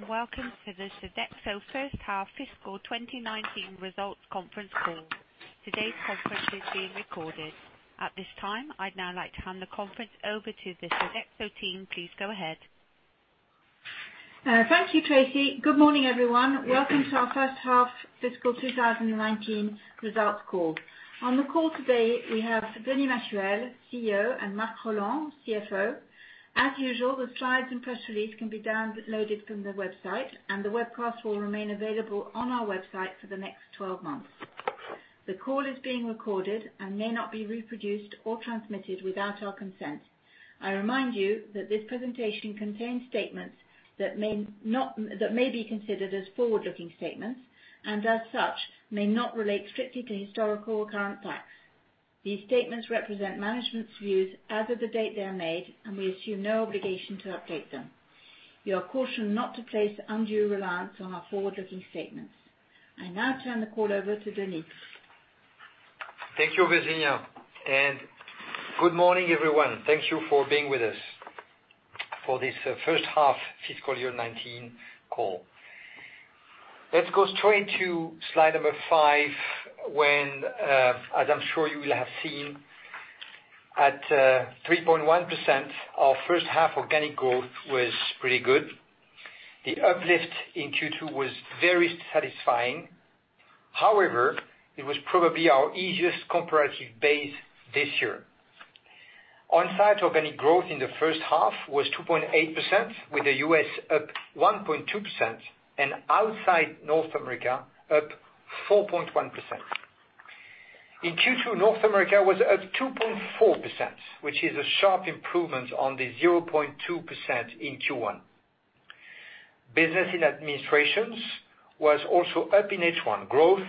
Good morning. Welcome to the Sodexo first half fiscal 2019 results conference call. Today's conference is being recorded. At this time, I'd now like to hand the conference over to the Sodexo team. Please go ahead. Thank you, Tracy. Good morning, everyone. Welcome to our first half fiscal 2019 results call. On the call today, we have Denis Machuel, CEO, and Marc Rolland, CFO. As usual, the slides and press release can be downloaded from the website, and the webcast will remain available on our website for the next 12 months. The call is being recorded and may not be reproduced or transmitted without our consent. I remind you that this presentation contains statements that may be considered as forward-looking statements, and as such, may not relate strictly to historical or current facts. These statements represent management's views as of the date they are made, and we assume no obligation to update them. You are cautioned not to place undue reliance on our forward-looking statements. I now turn the call over to Denis. Thank you, Virginia. Good morning, everyone. Thank you for being with us for this first half fiscal year 2019 call. Let's go straight to slide number five, when, as I'm sure you will have seen, at 3.1%, our first half organic growth was pretty good. The uplift in Q2 was very satisfying. However, it was probably our easiest comparative base this year. Onsite organic growth in the first half was 2.8%, with the U.S. up 1.2%, and outside North America up 4.1%. In Q2, North America was up 2.4%, which is a sharp improvement on the 0.2% in Q1. Business in administrations was also up in H1. Growth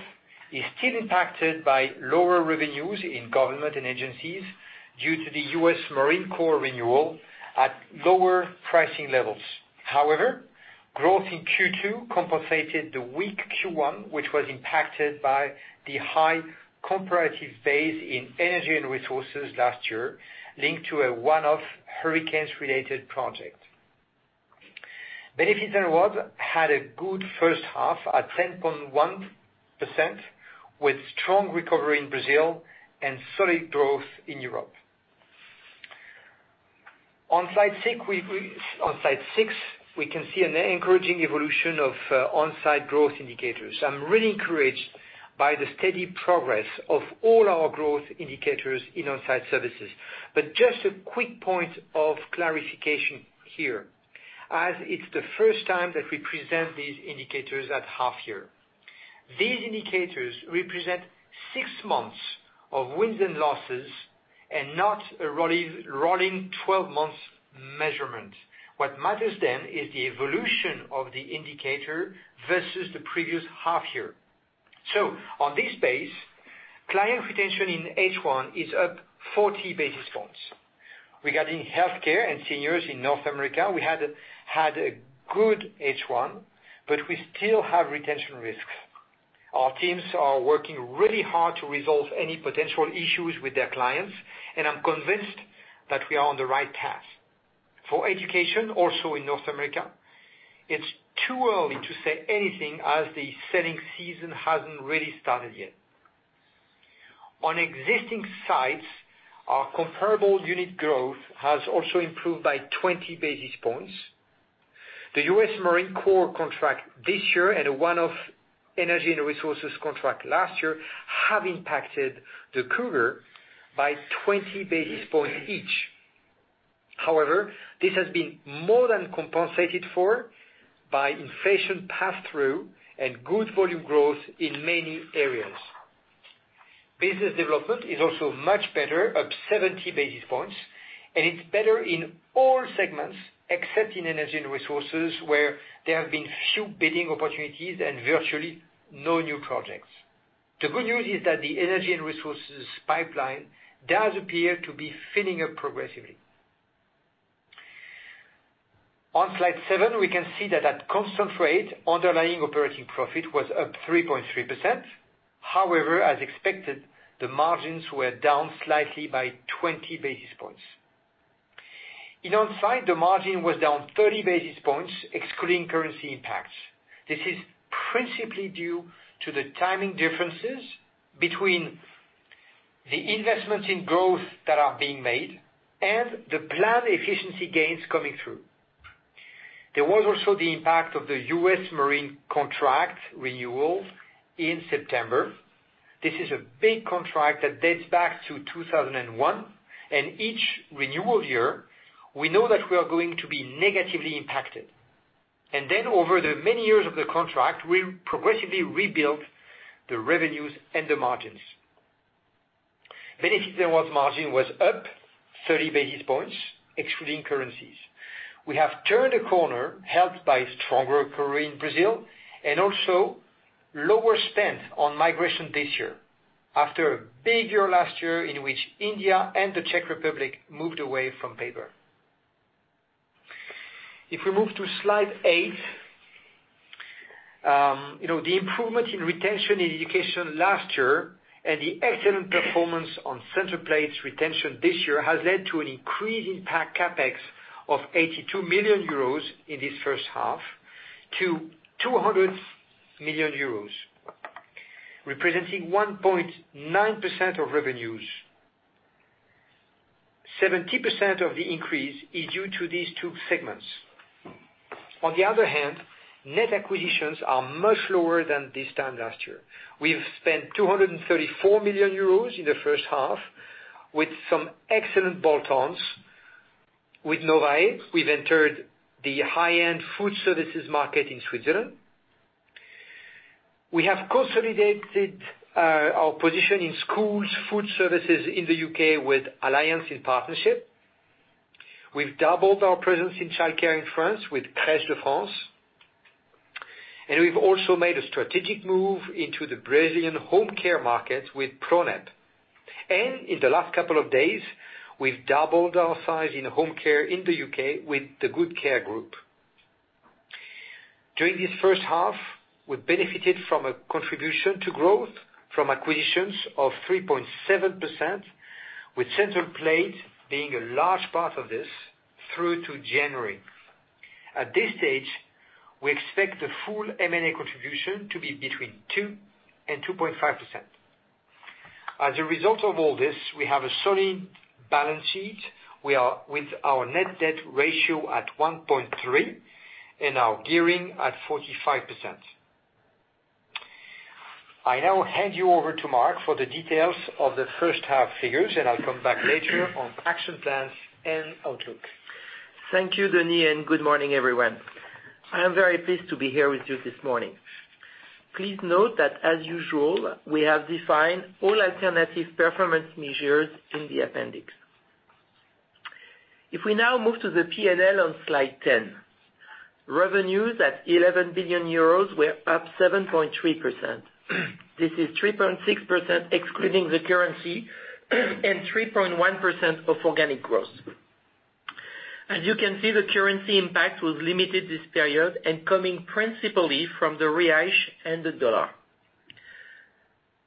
is still impacted by lower revenues in government and agencies due to the U.S. Marine Corps renewal at lower pricing levels. However, growth in Q2 compensated the weak Q1, which was impacted by the high comparative base in energy and resources last year, linked to a one-off hurricanes related project. Benefits and Rewards had a good first half at 10.1%, with strong recovery in Brazil and solid growth in Europe. On slide six, we can see an encouraging evolution of onsite growth indicators. I'm really encouraged by the steady progress of all our growth indicators in onsite services. Just a quick point of clarification here, as it's the first time that we present these indicators at half year. These indicators represent six months of wins and losses and not a rolling 12 months measurement. What matters is the evolution of the indicator versus the previous half year. On this base, client retention in H1 is up 40 basis points. Regarding healthcare and seniors in North America, we had a good H1, but we still have retention risks. Our teams are working really hard to resolve any potential issues with their clients, and I'm convinced that we are on the right path. For education, also in North America, it's too early to say anything as the selling season hasn't really started yet. On existing sites, our comparable unit growth has also improved by 20 basis points. The U.S. Marine Corps contract this year, and a one-off energy and resources contract last year, have impacted the cover by 20 basis points each. However, this has been more than compensated for by inflation pass-through and good volume growth in many areas. Business development is also much better, up 70 basis points, and it's better in all segments except in energy and resources, where there have been few bidding opportunities and virtually no new projects. The good news is that the energy and resources pipeline does appear to be filling up progressively. On slide seven, we can see that at constant rate, underlying operating profit was up 3.3%. However, as expected, the margins were down slightly by 20 basis points. In onsite, the margin was down 30 basis points, excluding currency impacts. This is principally due to the timing differences between the investments in growth that are being made and the planned efficiency gains coming through. There was also the impact of the U.S. Marine contract renewal in September. This is a big contract that dates back to 2001, and each renewal year, we know that we are going to be negatively impacted. Then over the many years of the contract, we'll progressively rebuild the revenues and the margins. Benefits and Rewards margin was up 30 basis points, excluding currencies. We have turned a corner, helped by stronger recovery in Brazil and also lower spend on migration this year, after a big year last year in which India and the Czech Republic moved away from paper. If we move to slide eight, the improvement in retention in education last year and the excellent performance on Centerplate's retention this year has led to an increase in CapEx of 82 million euros in this first half to 205 million euros, representing 1.9% of revenues. 70% of the increase is due to these two segments. On the other hand, net acquisitions are much lower than this time last year. We've spent 234 million euros in the first half with some excellent bolt-ons. With Novae, we've entered the high-end food services market in Switzerland. We've consolidated our position in schools food services in the U.K. with Alliance in Partnership. We've doubled our presence in childcare in France with Crèches de France. We've also made a strategic move into the Brazilian home care market with Pronep. In the last couple of days, we've doubled our size in home care in the U.K. with The Good Care Group. During this first half, we benefited from a contribution to growth from acquisitions of 3.7%, with Centerplate being a large part of this through to January. At this stage, we expect the full M&A contribution to be between 2%-2.5%. As a result of all this, we have a solid balance sheet. We are with our net debt ratio at 1.3 and our gearing at 45%. I now hand you over to Marc for the details of the first half figures, I'll come back later on action plans and outlook. Thank you, Denis, good morning, everyone. I am very pleased to be here with you this morning. Please note that, as usual, we have defined all alternative performance measures in the appendix. We now move to the P&L on slide 10. Revenues at 11 billion euros were up 7.3%. This is 3.6% excluding the currency and 3.1% of organic growth. You can see, the currency impact was limited this period and coming principally from the Real and the dollar.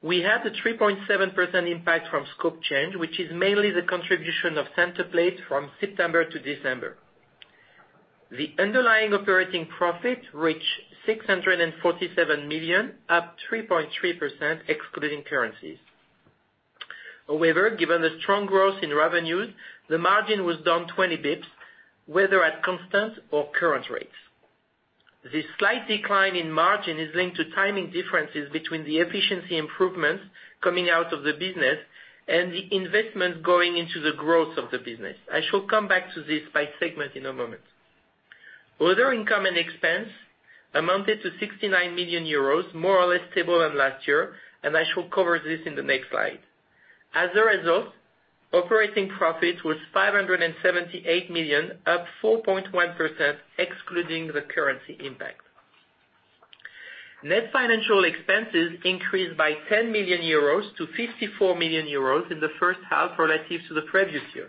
We had a 3.7% impact from scope change, which is mainly the contribution of Centerplate from September to December. The underlying operating profit reached 647 million, up 3.3% excluding currencies. Given the strong growth in revenues, the margin was down 20 basis points, whether at constant or current rates. This slight decline in margin is linked to timing differences between the efficiency improvements coming out of the business and the investment going into the growth of the business. I shall come back to this by segment in a moment. Other income and expense amounted to 69 million euros, more or less stable than last year, I shall cover this in the next slide. A result, operating profit was 578 million, up 4.1%, excluding the currency impact. Net financial expenses increased by 10 million euros to 54 million euros in the first half relative to the previous year.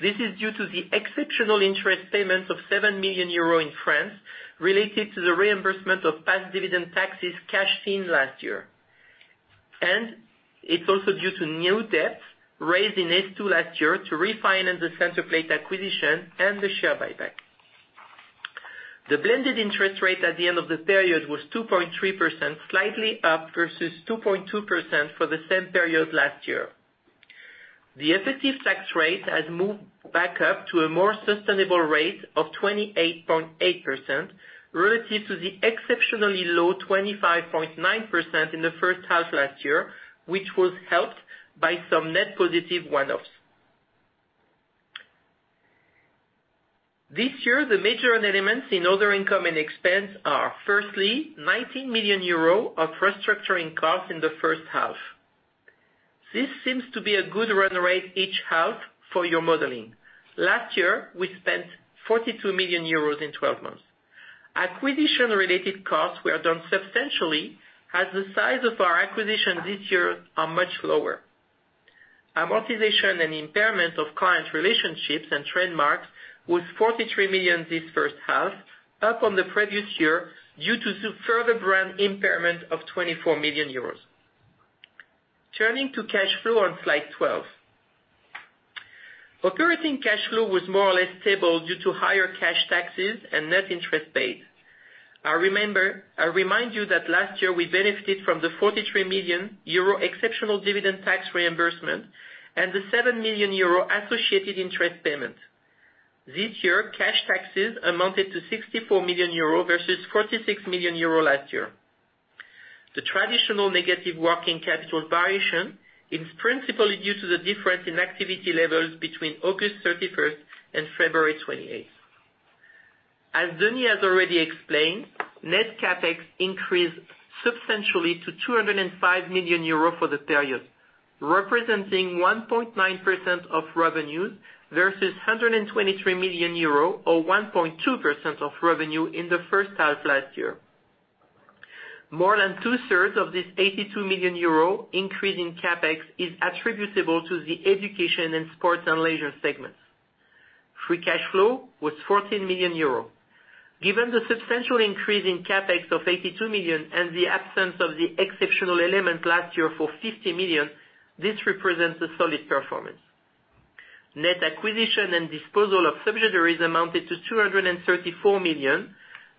This is due to the exceptional interest payments of 7 million euros in France related to the reimbursement of past dividend taxes cashed in last year. It's also due to new debts raised in H2 last year to refinance the Centerplate acquisition and the share buyback. The blended interest rate at the end of the period was 2.3%, slightly up versus 2.2% for the same period last year. The effective tax rate has moved back up to a more sustainable rate of 28.8% relative to the exceptionally low 25.9% in the first half last year, which was helped by some net positive one-offs. This year, the major elements in other income and expense are, firstly, 90 million euro of restructuring costs in the first half. This seems to be a good run rate each half for your modeling. Last year, we spent 42 million euros in 12 months. Acquisition-related costs were down substantially as the size of our acquisition this year are much lower. Amortization and impairment of client relationships and trademarks was 43 million this first half, up on the previous year due to further brand impairment of 24 million euros. Turning to cash flow on slide 12. Operating cash flow was more or less stable due to higher cash taxes and net interest paid. I remind you that last year we benefited from the €43 million exceptional dividend tax reimbursement and the €7 million associated interest payment. This year, cash taxes amounted to €64 million versus €46 million last year. The traditional negative working capital variation is principally due to the difference in activity levels between August 31st and February 28th. As Denis has already explained, net CapEx increased substantially to €205 million for the period, representing 1.9% of revenues versus €123 million or 1.2% of revenue in the first half last year. More than two-thirds of this €82 million increase in CapEx is attributable to the education and sports and leisure segments. Free cash flow was €14 million. Given the substantial increase in CapEx of 82 million and the absence of the exceptional element last year for 50 million, this represents a solid performance. Net acquisition and disposal of subsidiaries amounted to 234 million,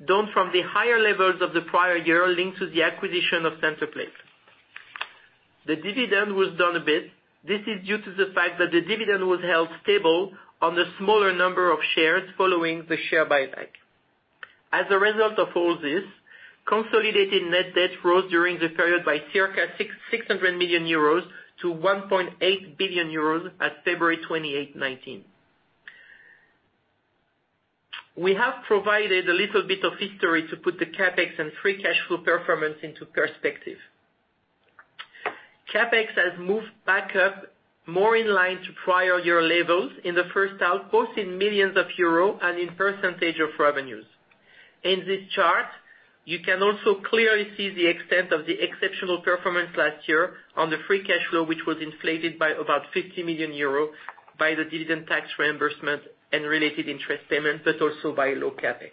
down from the higher levels of the prior year linked to the acquisition of Centerplate. The dividend was down a bit. This is due to the fact that the dividend was held stable on the smaller number of shares following the share buyback. As a result of all this, consolidated net debt rose during the period by circa €600 million to €1.8 billion at February 28th, 2019. We have provided a little bit of history to put the CapEx and free cash flow performance into perspective. CapEx has moved back up more in line to prior year levels in the first half, both in millions of euro and in percentage of revenues. In this chart, you can also clearly see the extent of the exceptional performance last year on the free cash flow, which was inflated by about €50 million by the dividend tax reimbursement and related interest payments, but also by low CapEx.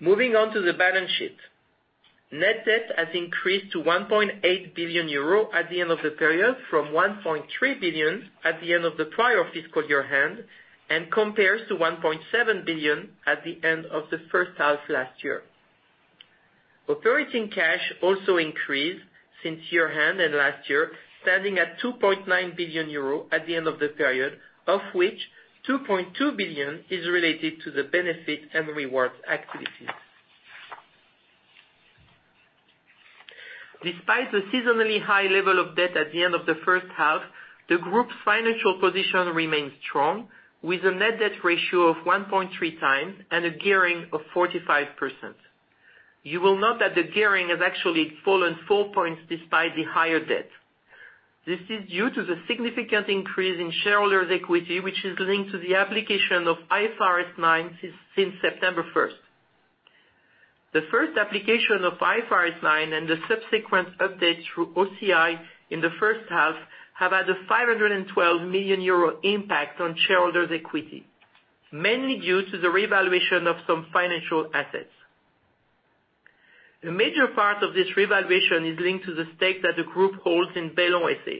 Moving on to the balance sheet. Net debt has increased to €1.8 billion at the end of the period from 1.3 billion at the end of the prior fiscal year end, and compares to 1.7 billion at the end of the first half last year. Operating cash also increased since year end and last year, standing at €2.9 billion at the end of the period, of which 2.2 billion is related to the Benefits and Rewards activities. Despite the seasonally high level of debt at the end of the first half, the group's financial position remains strong, with a net debt ratio of 1.3 times and a gearing of 45%. You will note that the gearing has actually fallen four points despite the higher debt. This is due to the significant increase in shareholders' equity, which is linked to the application of IFRS 9 since September 1st. The first application of IFRS 9 and the subsequent update through OCI in the first half have had a €512 million impact on shareholders' equity, mainly due to the revaluation of some financial assets. A major part of this revaluation is linked to the stake that the group holds in Bellon SA.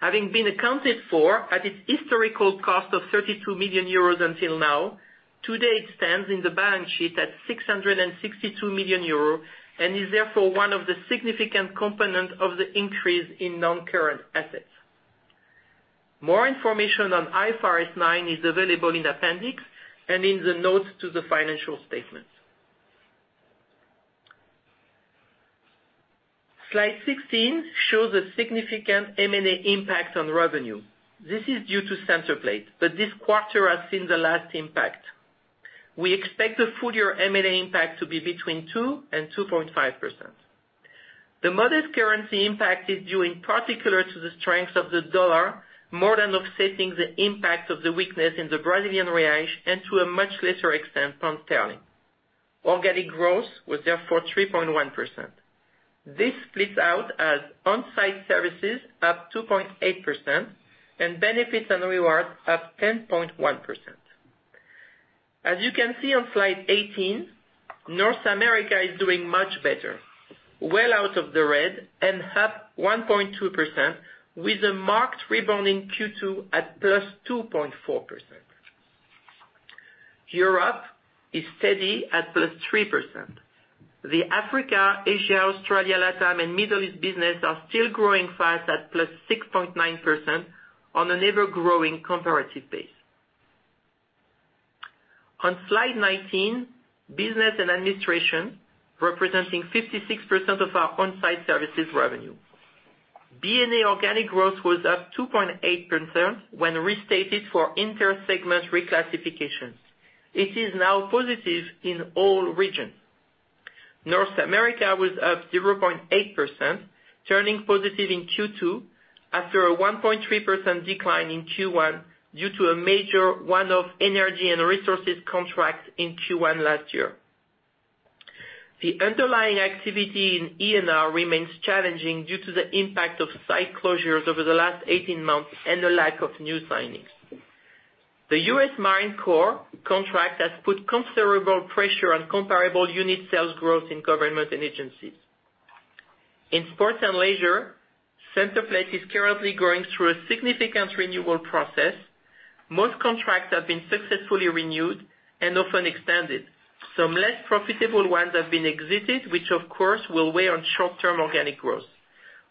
Having been accounted for at its historical cost of €32 million until now, today it stands in the balance sheet at €662 million and is therefore one of the significant components of the increase in non-current assets. More information on IFRS 9 is available in appendix and in the notes to the financial statements. Slide 16 shows a significant M&A impact on revenue. This is due to Centerplate, but this quarter has seen the last impact. We expect the full year M&A impact to be between 2%-2.5%. The modest currency impact is due in particular to the strength of the dollar, more than offsetting the impact of the weakness in the Brazilian reais and to a much lesser extent, pound sterling. Organic growth was therefore 3.1%. This splits out as on-site services up 2.8%, and Benefits and Rewards up 10.1%. As you can see on slide 18, North America is doing much better, well out of the red and up 1.2% with a marked rebound in Q2 at plus 2.4%. Europe is steady at plus 3%. The Africa, Asia, Australia, LATAM, and Middle East business are still growing fast at plus 6.9% on an ever-growing comparative base. On slide 19, Business and Administration, representing 56% of our on-site services revenue. B&A organic growth was up 2.8% when restated for inter-segment reclassifications. It is now positive in all regions. North America was up 0.8%, turning positive in Q2 after a 1.3% decline in Q1 due to a major one-off Energy and Resources contract in Q1 last year. The underlying activity in E&R remains challenging due to the impact of site closures over the last 18 months and the lack of new signings. The U.S. Marine Corps contract has put considerable pressure on comparable unit sales growth in Government and Agencies. In sports and leisure, Centerplate is currently going through a significant renewal process. Most contracts have been successfully renewed and often expanded. Some less profitable ones have been exited, which of course will weigh on short-term organic growth.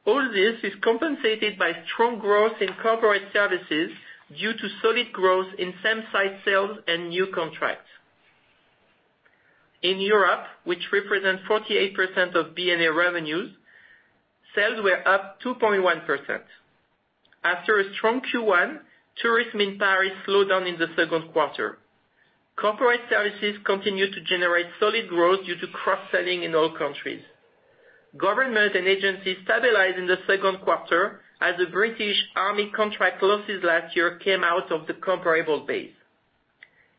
All this is compensated by strong growth in Corporate Services due to solid growth in same-site sales and new contracts. In Europe, which represents 48% of B&A revenues, sales were up 2.1%. After a strong Q1, tourism in Paris slowed down in the second quarter. Corporate Services continued to generate solid growth due to cross-selling in all countries. Government and Agencies stabilized in the second quarter as the British Army contract losses last year came out of the comparable base.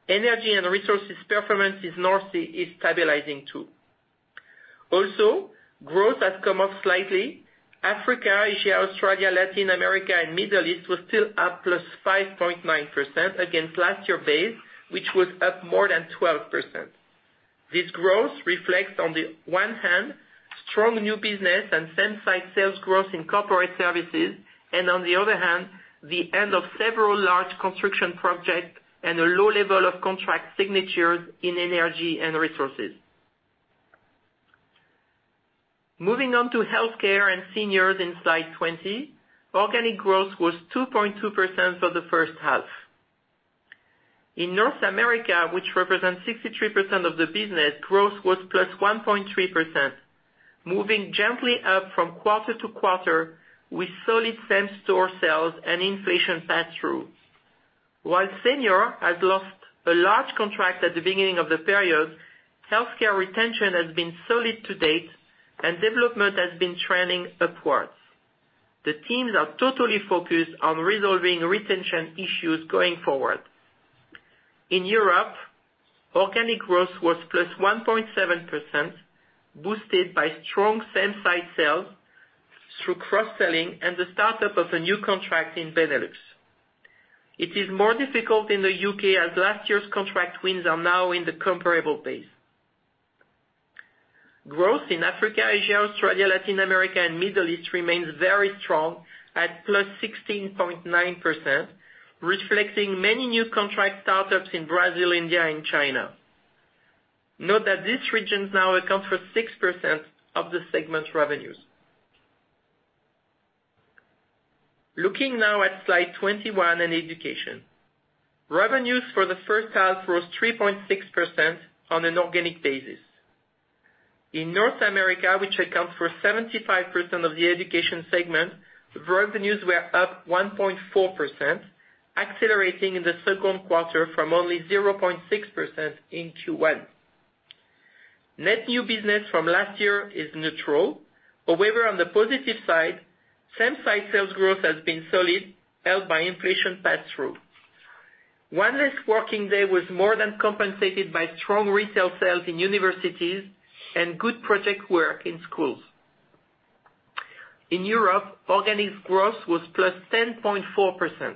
Energy and Resources performance in North Sea is stabilizing, too. Also, growth has come up slightly. Africa, Asia, Australia, Latin America, and Middle East was still up plus 5.9% against last year base, which was up more than 12%. This growth reflects, on the one hand, strong new business and same-site sales growth in Corporate Services, and on the other hand, the end of several large construction projects and a low level of contract signatures in Energy and Resources. Moving on to Healthcare and Seniors in slide 20, organic growth was 2.2% for the first half. In North America, which represents 63% of the business, growth was plus 1.3%, moving gently up from quarter to quarter with solid same-store sales and inflation pass-through. While Seniors has lost a large contract at the beginning of the period, Healthcare retention has been solid to date and development has been trending upwards. The teams are totally focused on resolving retention issues going forward. In Europe, organic growth was +1.7%, boosted by strong same-site sales through cross-selling and the start-up of a new contract in Benelux. It is more difficult in the U.K. as last year's contract wins are now in the comparable base. Growth in Africa, Asia, Australia, Latin America, and Middle East remains very strong at +16.9%, reflecting many new contract startups in Brazil, India, and China. Note that these regions now account for 6% of the segment's revenues. Looking now at slide 21 in education. Revenues for the first half rose 3.6% on an organic basis. In North America, which accounts for 75% of the education segment, revenues were up 1.4%, accelerating in the second quarter from only 0.6% in Q1. Net new business from last year is neutral. On the positive side, same-site sales growth has been solid, helped by inflation pass-through. one less working day was more than compensated by strong retail sales in universities and good project work in schools. In Europe, organic growth was +10.4%.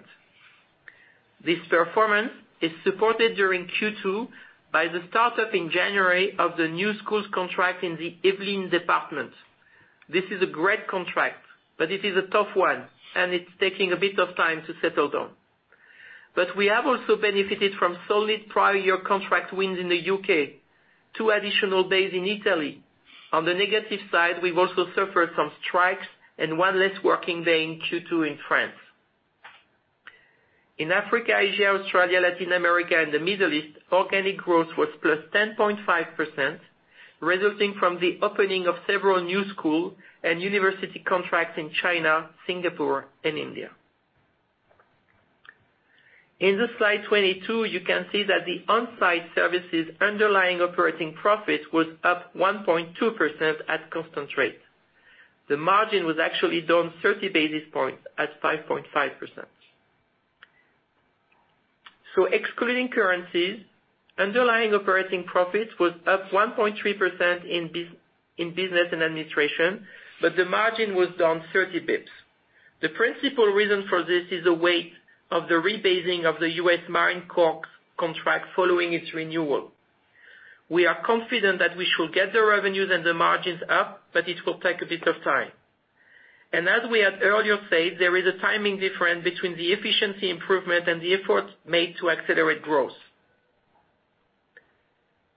This performance is supported during Q2 by the start-up in January of the new schools contract in the Yvelines department. This is a great contract, but it is a tough one and it's taking a bit of time to settle down. But we have also benefited from solid prior year contract wins in the U.K., two additional days in Italy. On the negative side, we've also suffered some strikes and one less working day in Q2 in France. In Africa, Asia, Australia, Latin America, and the Middle East, organic growth was +10.5%, resulting from the opening of several new school and university contracts in China, Singapore, and India. In the slide 22, you can see that the On-site Services underlying operating profit was up 1.2% at constant rate. The margin was actually down 30 basis points at 5.5%. Excluding currencies, underlying operating profits was up 1.3% in Business and Administration, but the margin was down 30 basis points. The principal reason for this is the weight of the rebasing of the U.S. Marine Corps contract following its renewal. We are confident that we shall get the revenues and the margins up, but it will take a bit of time. And as we had earlier said, there is a timing difference between the efficiency improvement and the efforts made to accelerate growth.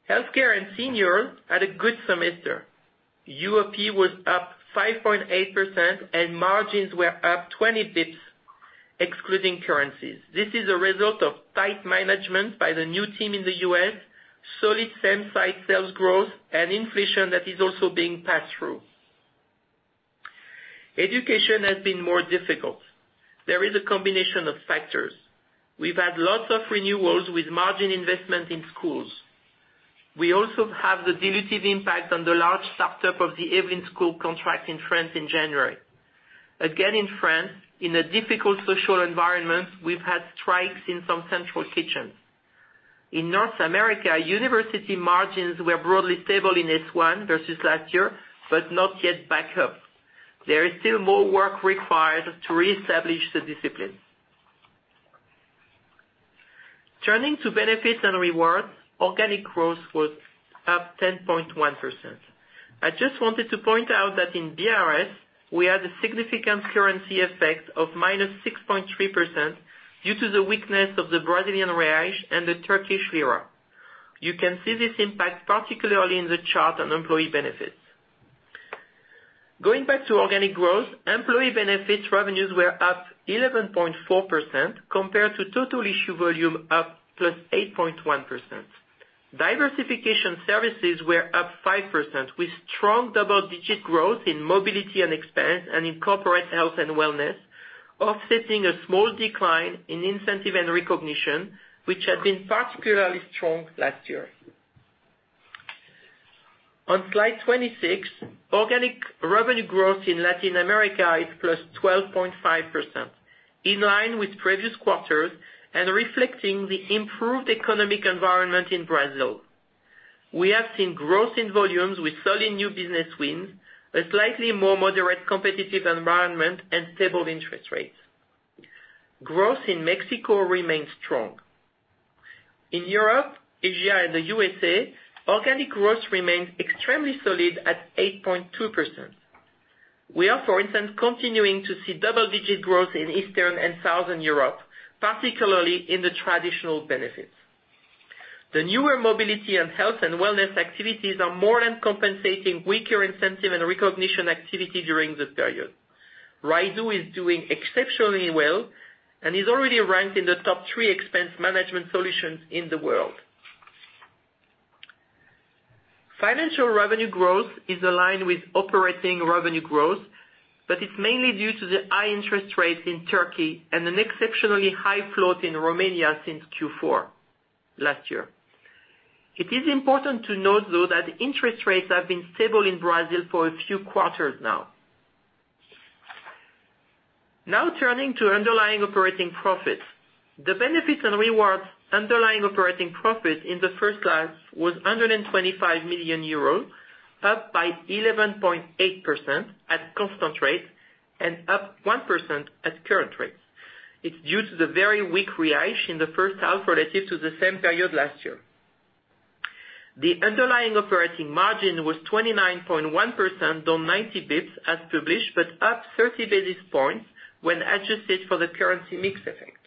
Healthcare and Seniors had a good semester. UOP was up 5.8% and margins were up 20 basis points excluding currencies. This is a result of tight management by the new team in the U.S., solid same-site sales growth, and inflation that is also being passed through. Education has been more difficult. There is a combination of factors. We've had lots of renewals with margin investment in schools. We also have the dilutive impact on the large start-up of the Yvelines school contract in France in January. Again, in France, in a difficult social environment, we've had strikes in some central kitchens. In North America, university margins were broadly stable in S1 versus last year, but not yet back up. There is still more work required to reestablish the discipline. Turning to Benefits and Rewards, organic growth was up 10.1%. I just wanted to point out that in B&RS, we had a significant currency effect of -6.3% due to the weakness of the BRL and the TRY. You can see this impact particularly in the chart on employee benefits. Going back to organic growth, employee benefits revenues were up 11.4% compared to total issue volume up +8.1%. Diversification services were up 5% with strong double-digit growth in mobility and expense and in corporate health and wellness, offsetting a small decline in incentive and recognition, which had been particularly strong last year. On slide 26, organic revenue growth in Latin America is +12.5%, in line with previous quarters, reflecting the improved economic environment in Brazil. We have seen growth in volumes with solid new business wins, a slightly more moderate competitive environment, and stable interest rates. Growth in Mexico remains strong. In Europe, Asia, and the U.S.A., organic growth remains extremely solid at 8.2%. We are, for instance, continuing to see double-digit growth in Eastern and Southern Europe, particularly in the traditional benefits. The newer mobility and health and wellness activities are more than compensating weaker incentive and recognition activity during this period. Rydoo is doing exceptionally well and is already ranked in the top three expense management solutions in the world. Financial revenue growth is aligned with operating revenue growth. It's mainly due to the high interest rates in Turkey and an exceptionally high float in Romania since Q4 last year. It is important to note, though, that interest rates have been stable in Brazil for a few quarters now. Now, turning to underlying operating profits. The Benefits and Rewards underlying operating profit in the first half was 125 million euros, up by 11.8% at constant rates and up 1% at current rates. It's due to the very weak BRL in the first half relative to the same period last year. The underlying operating margin was 29.1%, down 90 basis points as published, but up 30 basis points when adjusted for the currency mix effect.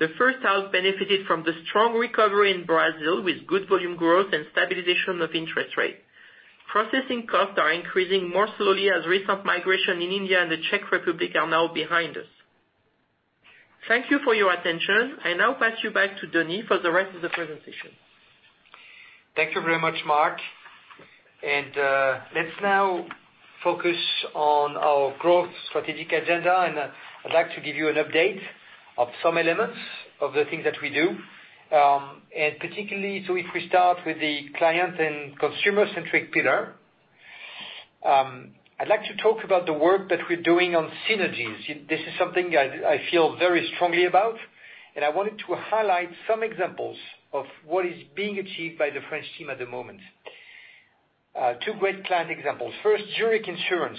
The first half benefited from the strong recovery in Brazil with good volume growth and stabilization of interest rate. Processing costs are increasing more slowly as recent migration in India and the Czech Republic are now behind us. Thank you for your attention. I now pass you back to Denis for the rest of the presentation. Thank you very much, Marc. Let's now focus on our growth strategic agenda. I'd like to give you an update of some elements of the things that we do. Particularly, so if we start with the client and consumer-centric pillar, I'd like to talk about the work that we're doing on synergies. This is something I feel very strongly about, and I wanted to highlight some examples of what is being achieved by the French team at the moment. Two great client examples. First, Zurich Insurance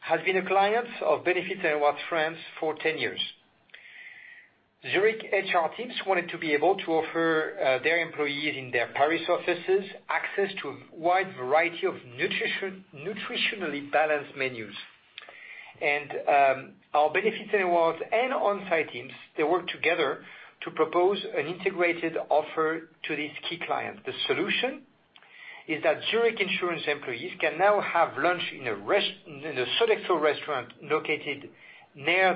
has been a client of Benefits and Rewards France for 10 years. Zurich HR teams wanted to be able to offer their employees in their Paris offices access to a wide variety of nutritionally balanced menus. Our Benefits and Rewards and onsite teams, they work together to propose an integrated offer to this key client. The solution is that Zurich Insurance employees can now have lunch in a Sodexo restaurant located near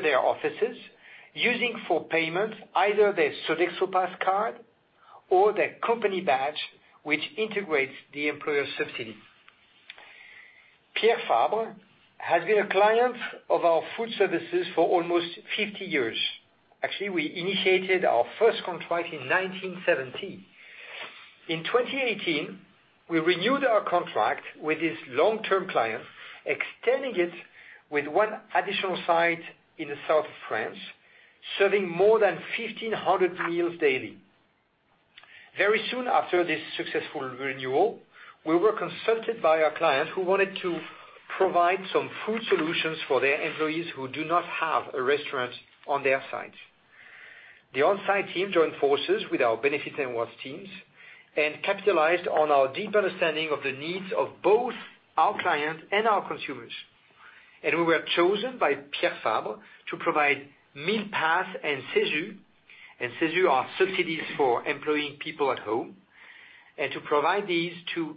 their offices, using for payment either their Sodexo Pass card or their company badge, which integrates the employer subsidy. Pierre Fabre has been a client of our food services for almost 50 years. Actually, we initiated our first contract in 1970. In 2018, we renewed our contract with this long-term client, extending it with one additional site in the south of France, serving more than 1,500 meals daily. Very soon after this successful renewal, we were consulted by our client, who wanted to provide some food solutions for their employees who do not have a restaurant on their site. The on-site team joined forces with our Benefits and Rewards teams and capitalized on our deep understanding of the needs of both our client and our consumers. We were chosen by Pierre Fabre to provide meal pass and CESU. CESU are subsidies for employing people at home. To provide these to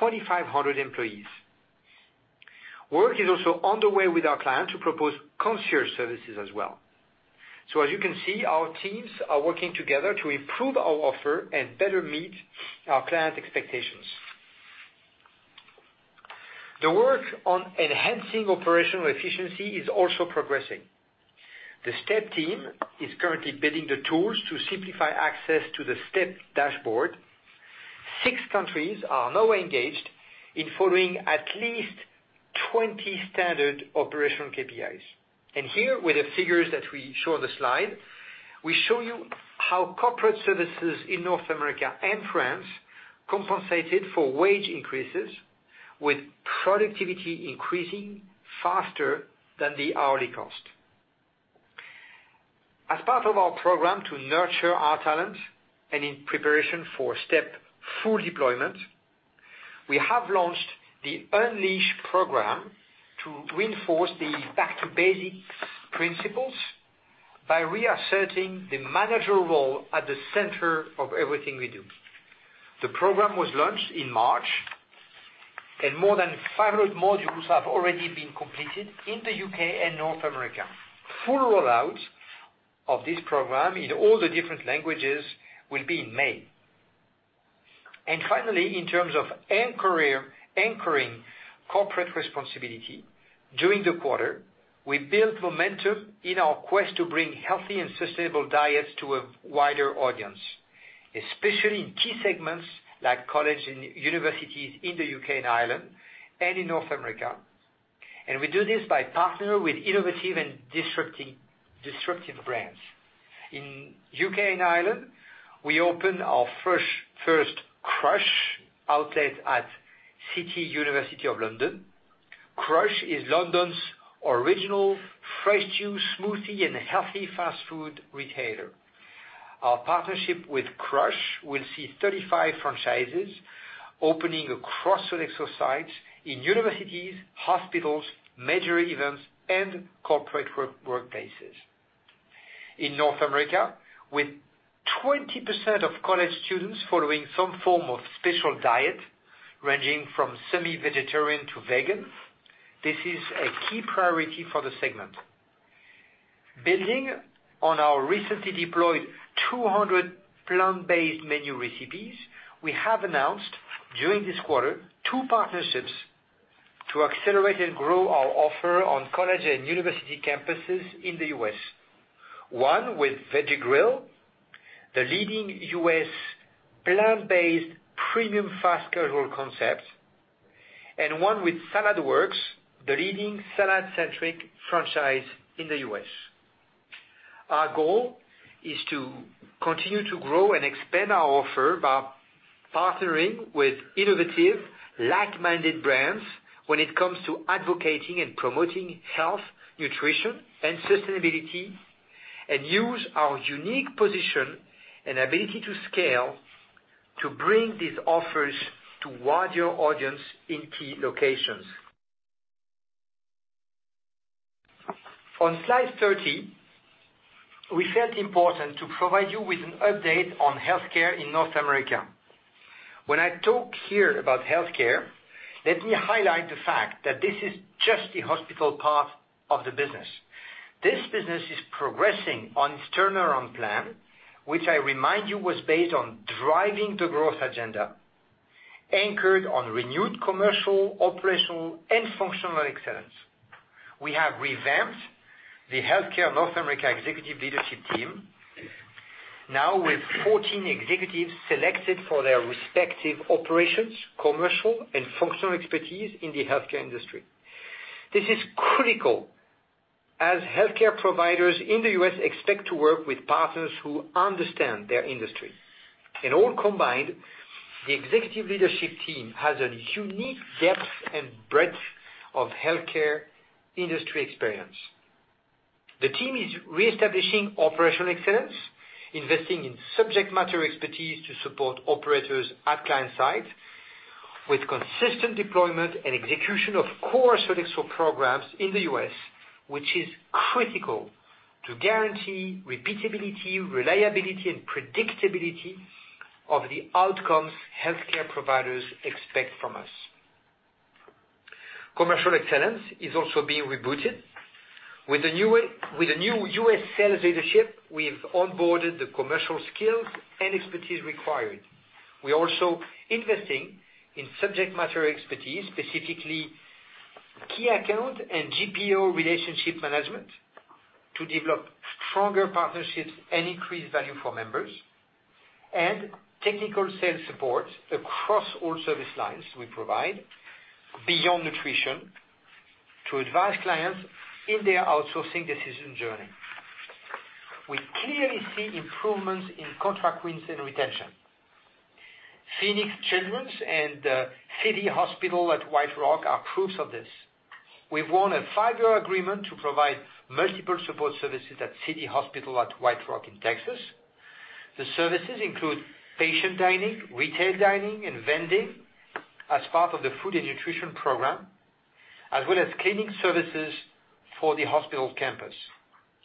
2,500 employees. Work is also underway with our client to propose concierge services as well. As you can see, our teams are working together to improve our offer and better meet our clients' expectations. The work on enhancing operational efficiency is also progressing. The STEP team is currently building the tools to simplify access to the STEP dashboard. Six countries are now engaged in following at least 20 standard operational KPIs. Here, with the figures that we show on the slide, we show you how corporate services in North America and France compensated for wage increases, with productivity increasing faster than the hourly cost. As part of our program to nurture our talent and in preparation for STEP full deployment, we have launched the Unleash program to reinforce the back-to-basics principles by reasserting the manager role at the center of everything we do. The program was launched in March, and more than 500 modules have already been completed in the U.K. and North America. Full rollout of this program in all the different languages will be in May. Finally, in terms of anchoring corporate responsibility. During the quarter, we built momentum in our quest to bring healthy and sustainable diets to a wider audience, especially in key segments like college and universities in the U.K. and Ireland, and in North America. We do this by partnering with innovative and disruptive brands. In U.K. and Ireland, we opened our first CRU5H outlet at City, University of London. CRU5H is London's original fresh juice, smoothie, and healthy fast food retailer. Our partnership with CRU5H will see 35 franchises opening across Sodexo sites in universities, hospitals, major events, and corporate workplaces. In North America, with 20% of college students following some form of special diet, ranging from semi-vegetarian to vegan, this is a key priority for the segment. Building on our recently deployed 200 plant-based menu recipes, we have announced during this quarter two partnerships to accelerate and grow our offer on college and university campuses in the U.S. One with Veggie Grill, the leading U.S. plant-based premium fast-casual concept, and one with Saladworks, the leading salad-centric franchise in the U.S. Our goal is to continue to grow and expand our offer by partnering with innovative, like-minded brands when it comes to advocating and promoting health, nutrition, and sustainability, and use our unique position and ability to scale to bring these offers to wider audience in key locations. On slide 30, we felt important to provide you with an update on healthcare in North America. When I talk here about healthcare, let me highlight the fact that this is just the hospital part of the business. This business is progressing on its turnaround plan, which I remind you was based on driving the growth agenda, anchored on renewed commercial, operational, and functional excellence. We have revamped the healthcare North America executive leadership team, now with 14 executives selected for their respective operations, commercial, and functional expertise in the healthcare industry. This is critical as healthcare providers in the U.S. expect to work with partners who understand their industry. In all combined, the executive leadership team has a unique depth and breadth of healthcare industry experience. The team is reestablishing operational excellence, investing in subject matter expertise to support operators at client sites, with consistent deployment and execution of core Sodexo programs in the U.S., which is critical to guarantee repeatability, reliability, and predictability of the outcomes healthcare providers expect from us. Commercial excellence is also being rebooted. With the new U.S. sales leadership, we've onboarded the commercial skills and expertise required. We're also investing in subject matter expertise, specifically key account and GPO relationship management, to develop stronger partnerships and increase value for members, and technical sales support across all service lines we provide, beyond nutrition, to advise clients in their outsourcing decision journey. We clearly see improvements in contract wins and retention. Phoenix Children's and City Hospital at White Rock are proofs of this. We've won a five-year agreement to provide multiple support services at City Hospital at White Rock in Texas. The services include patient dining, retail dining, and vending as part of the food and nutrition program, as well as cleaning services for the hospital campus.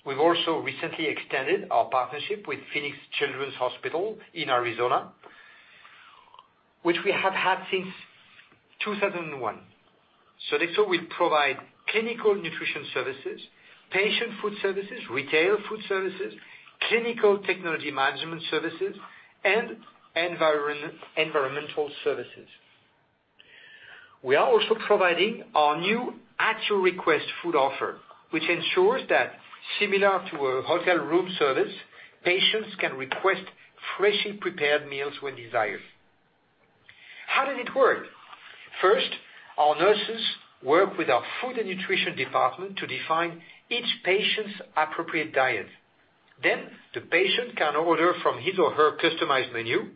We've also recently extended our partnership with Phoenix Children's Hospital in Arizona, which we have had since 2001. Sodexo will provide clinical nutrition services, patient food services, retail food services, clinical technology management services, and environmental services. We are also providing our new At Your Request food offer, which ensures that similar to a hotel room service, patients can request freshly prepared meals when desired. How does it work? First, our nurses work with our food and nutrition department to define each patient's appropriate diet. The patient can order from his or her customized menu.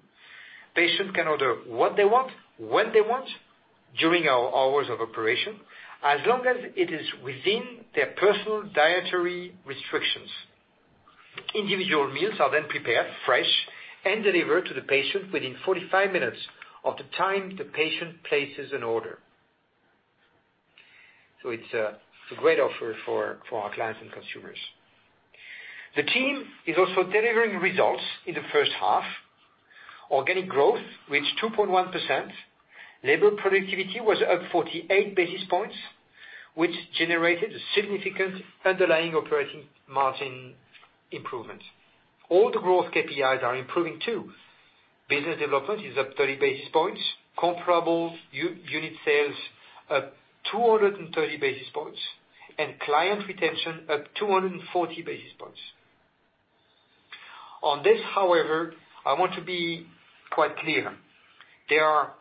Patient can order what they want, when they want, during our hours of operation, as long as it is within their personal dietary restrictions. Individual meals are then prepared fresh and delivered to the patient within 45 minutes of the time the patient places an order. It's a great offer for our clients and consumers. The team is also delivering results in the first half. Organic growth reached 2.1%, labor productivity was up 48 basis points. Which generated significant underlying operating margin improvement. All the growth KPIs are improving too. Business development is up 30 basis points, comparables unit sales up 230 basis points, and client retention up 240 basis points. On this, however, I want to be quite clear. There are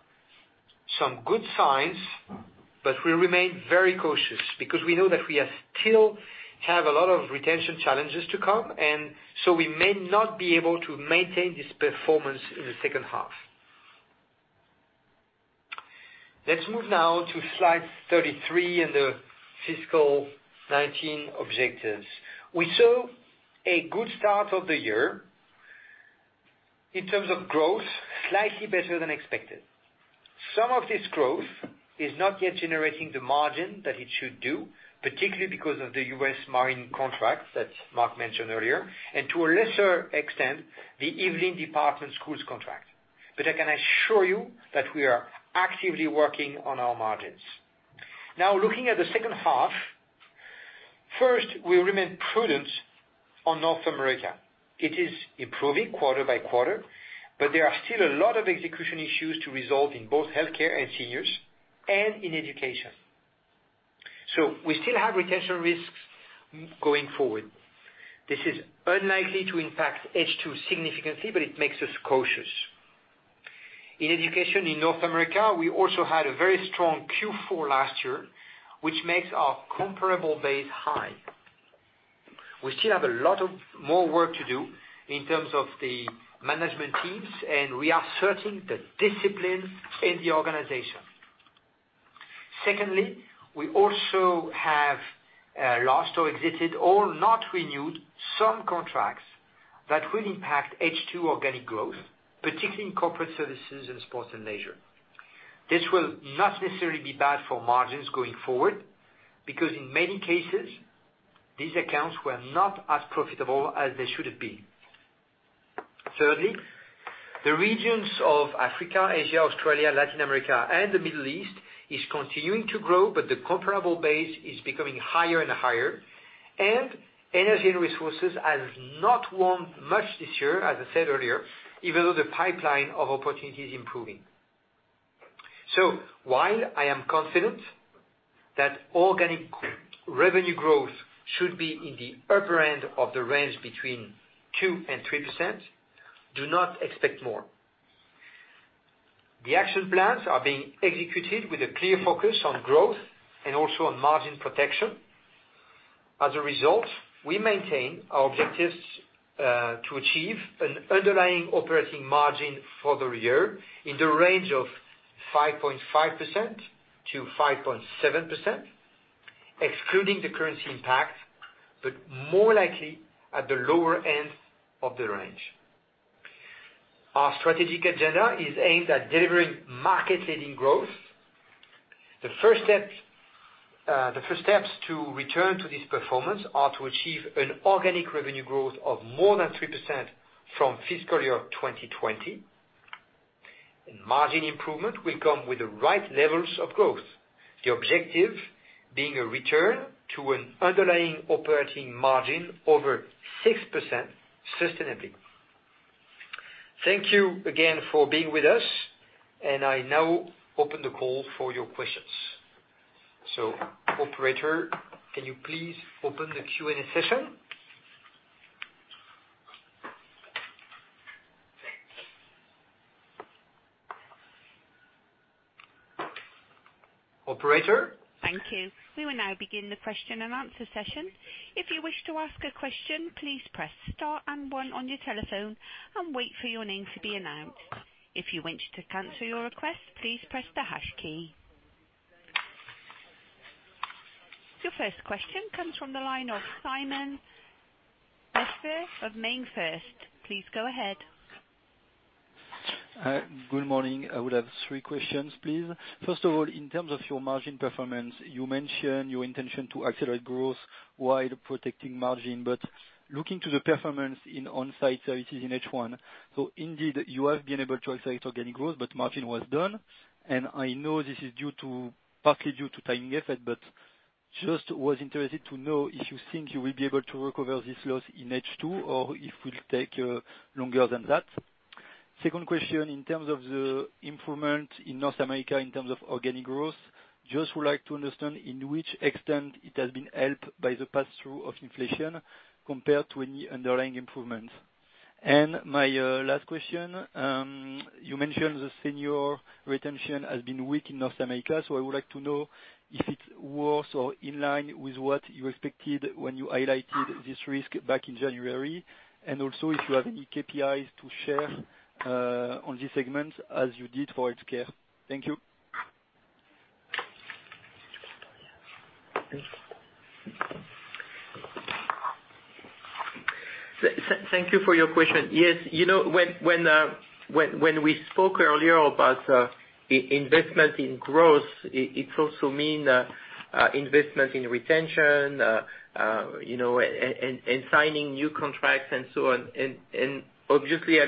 some good signs, we remain very cautious because we know that we still have a lot of retention challenges to come, we may not be able to maintain this performance in the second half. Let's move now to slide 33 and the fiscal 2019 objectives. We saw a good start of the year. In terms of growth, slightly better than expected. Some of this growth is not yet generating the margin that it should do, particularly because of the U.S. Marine contract that Marc mentioned earlier, and to a lesser extent, the Yvelines department schools contract. I can assure you that we are actively working on our margins. Looking at the second half, first, we remain prudent on North America. It is improving quarter by quarter, there are still a lot of execution issues to resolve in both healthcare and seniors, and in education. We still have retention risks going forward. This is unlikely to impact H2 significantly, it makes us cautious. In education in North America, we also had a very strong Q4 last year, which makes our comparable base high. We still have a lot of more work to do in terms of the management teams, and reasserting the discipline in the organization. Secondly, we also have lost or exited or not renewed some contracts that will impact H2 organic growth, particularly in corporate services and sports and leisure. This will not necessarily be bad for margins going forward, because in many cases, these accounts were not as profitable as they should have been. Thirdly, the regions of Africa, Asia, Australia, Latin America, and the Middle East is continuing to grow, the comparable base is becoming higher and higher, Energy & Resources has not won much this year, as I said earlier, even though the pipeline of opportunity is improving. While I am confident that organic revenue growth should be in the upper end of the range between 2%-3%, do not expect more. The action plans are being executed with a clear focus on growth and also on margin protection. As a result, we maintain our objectives to achieve an underlying operating margin for the year in the range of 5.5%-5.7%, excluding the currency impact, more likely at the lower end of the range. Our strategic agenda is aimed at delivering market-leading growth. The first steps to return to this performance are to achieve an organic revenue growth of more than 3% from fiscal year 2020. Margin improvement will come with the right levels of growth, the objective being a return to an underlying operating margin over 6% sustainably. Thank you again for being with us, and I now open the call for your questions. Operator, can you please open the Q&A session? Operator? Thank you. We will now begin the question and answer session. If you wish to ask a question, please press star 1 on your telephone and wait for your name to be announced. If you wish to cancel your request, please press the hash key. Your first question comes from the line of Simon Lechipre of Mainfirst. Please go ahead. Good morning. I would have three questions, please. First of all, in terms of your margin performance, you mentioned your intention to accelerate growth while protecting margin. Looking to the performance in on-site services in H1, indeed, you have been able to accelerate organic growth, but margin was down. I know this is partly due to timing effect, but just was interested to know if you think you will be able to recover this loss in H2 or if it will take longer than that. Second question, in terms of the improvement in North America in terms of organic growth, just would like to understand in which extent it has been helped by the pass-through of inflation compared to any underlying improvements. My last question, you mentioned the senior retention has been weak in North America, so I would like to know if it's worse or in line with what you expected when you highlighted this risk back in January, and also if you have any KPIs to share on this segment as you did for healthcare. Thank you. Thank you for your question. Yes. When we spoke earlier about investment in growth, it also mean investment in retention and signing new contracts and so on. Obviously,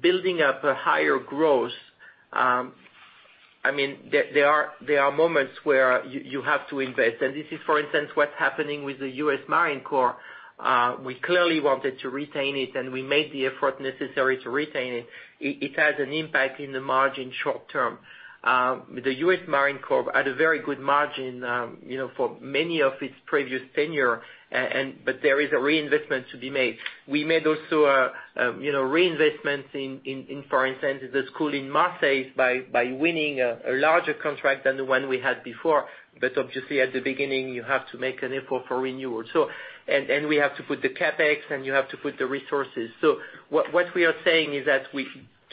building up a higher growth There are moments where you have to invest, this is, for instance, what's happening with the United States Marine Corps. We clearly wanted to retain it, we made the effort necessary to retain it. It has an impact in the margin short-term. The United States Marine Corps had a very good margin for many of its previous tenure, there is a reinvestment to be made. We made also a reinvestment in, for instance, the school in Marseille by winning a larger contract than the one we had before. Obviously at the beginning you have to make an effort for renewal. We have to put the CapEx, you have to put the resources. What we are saying is that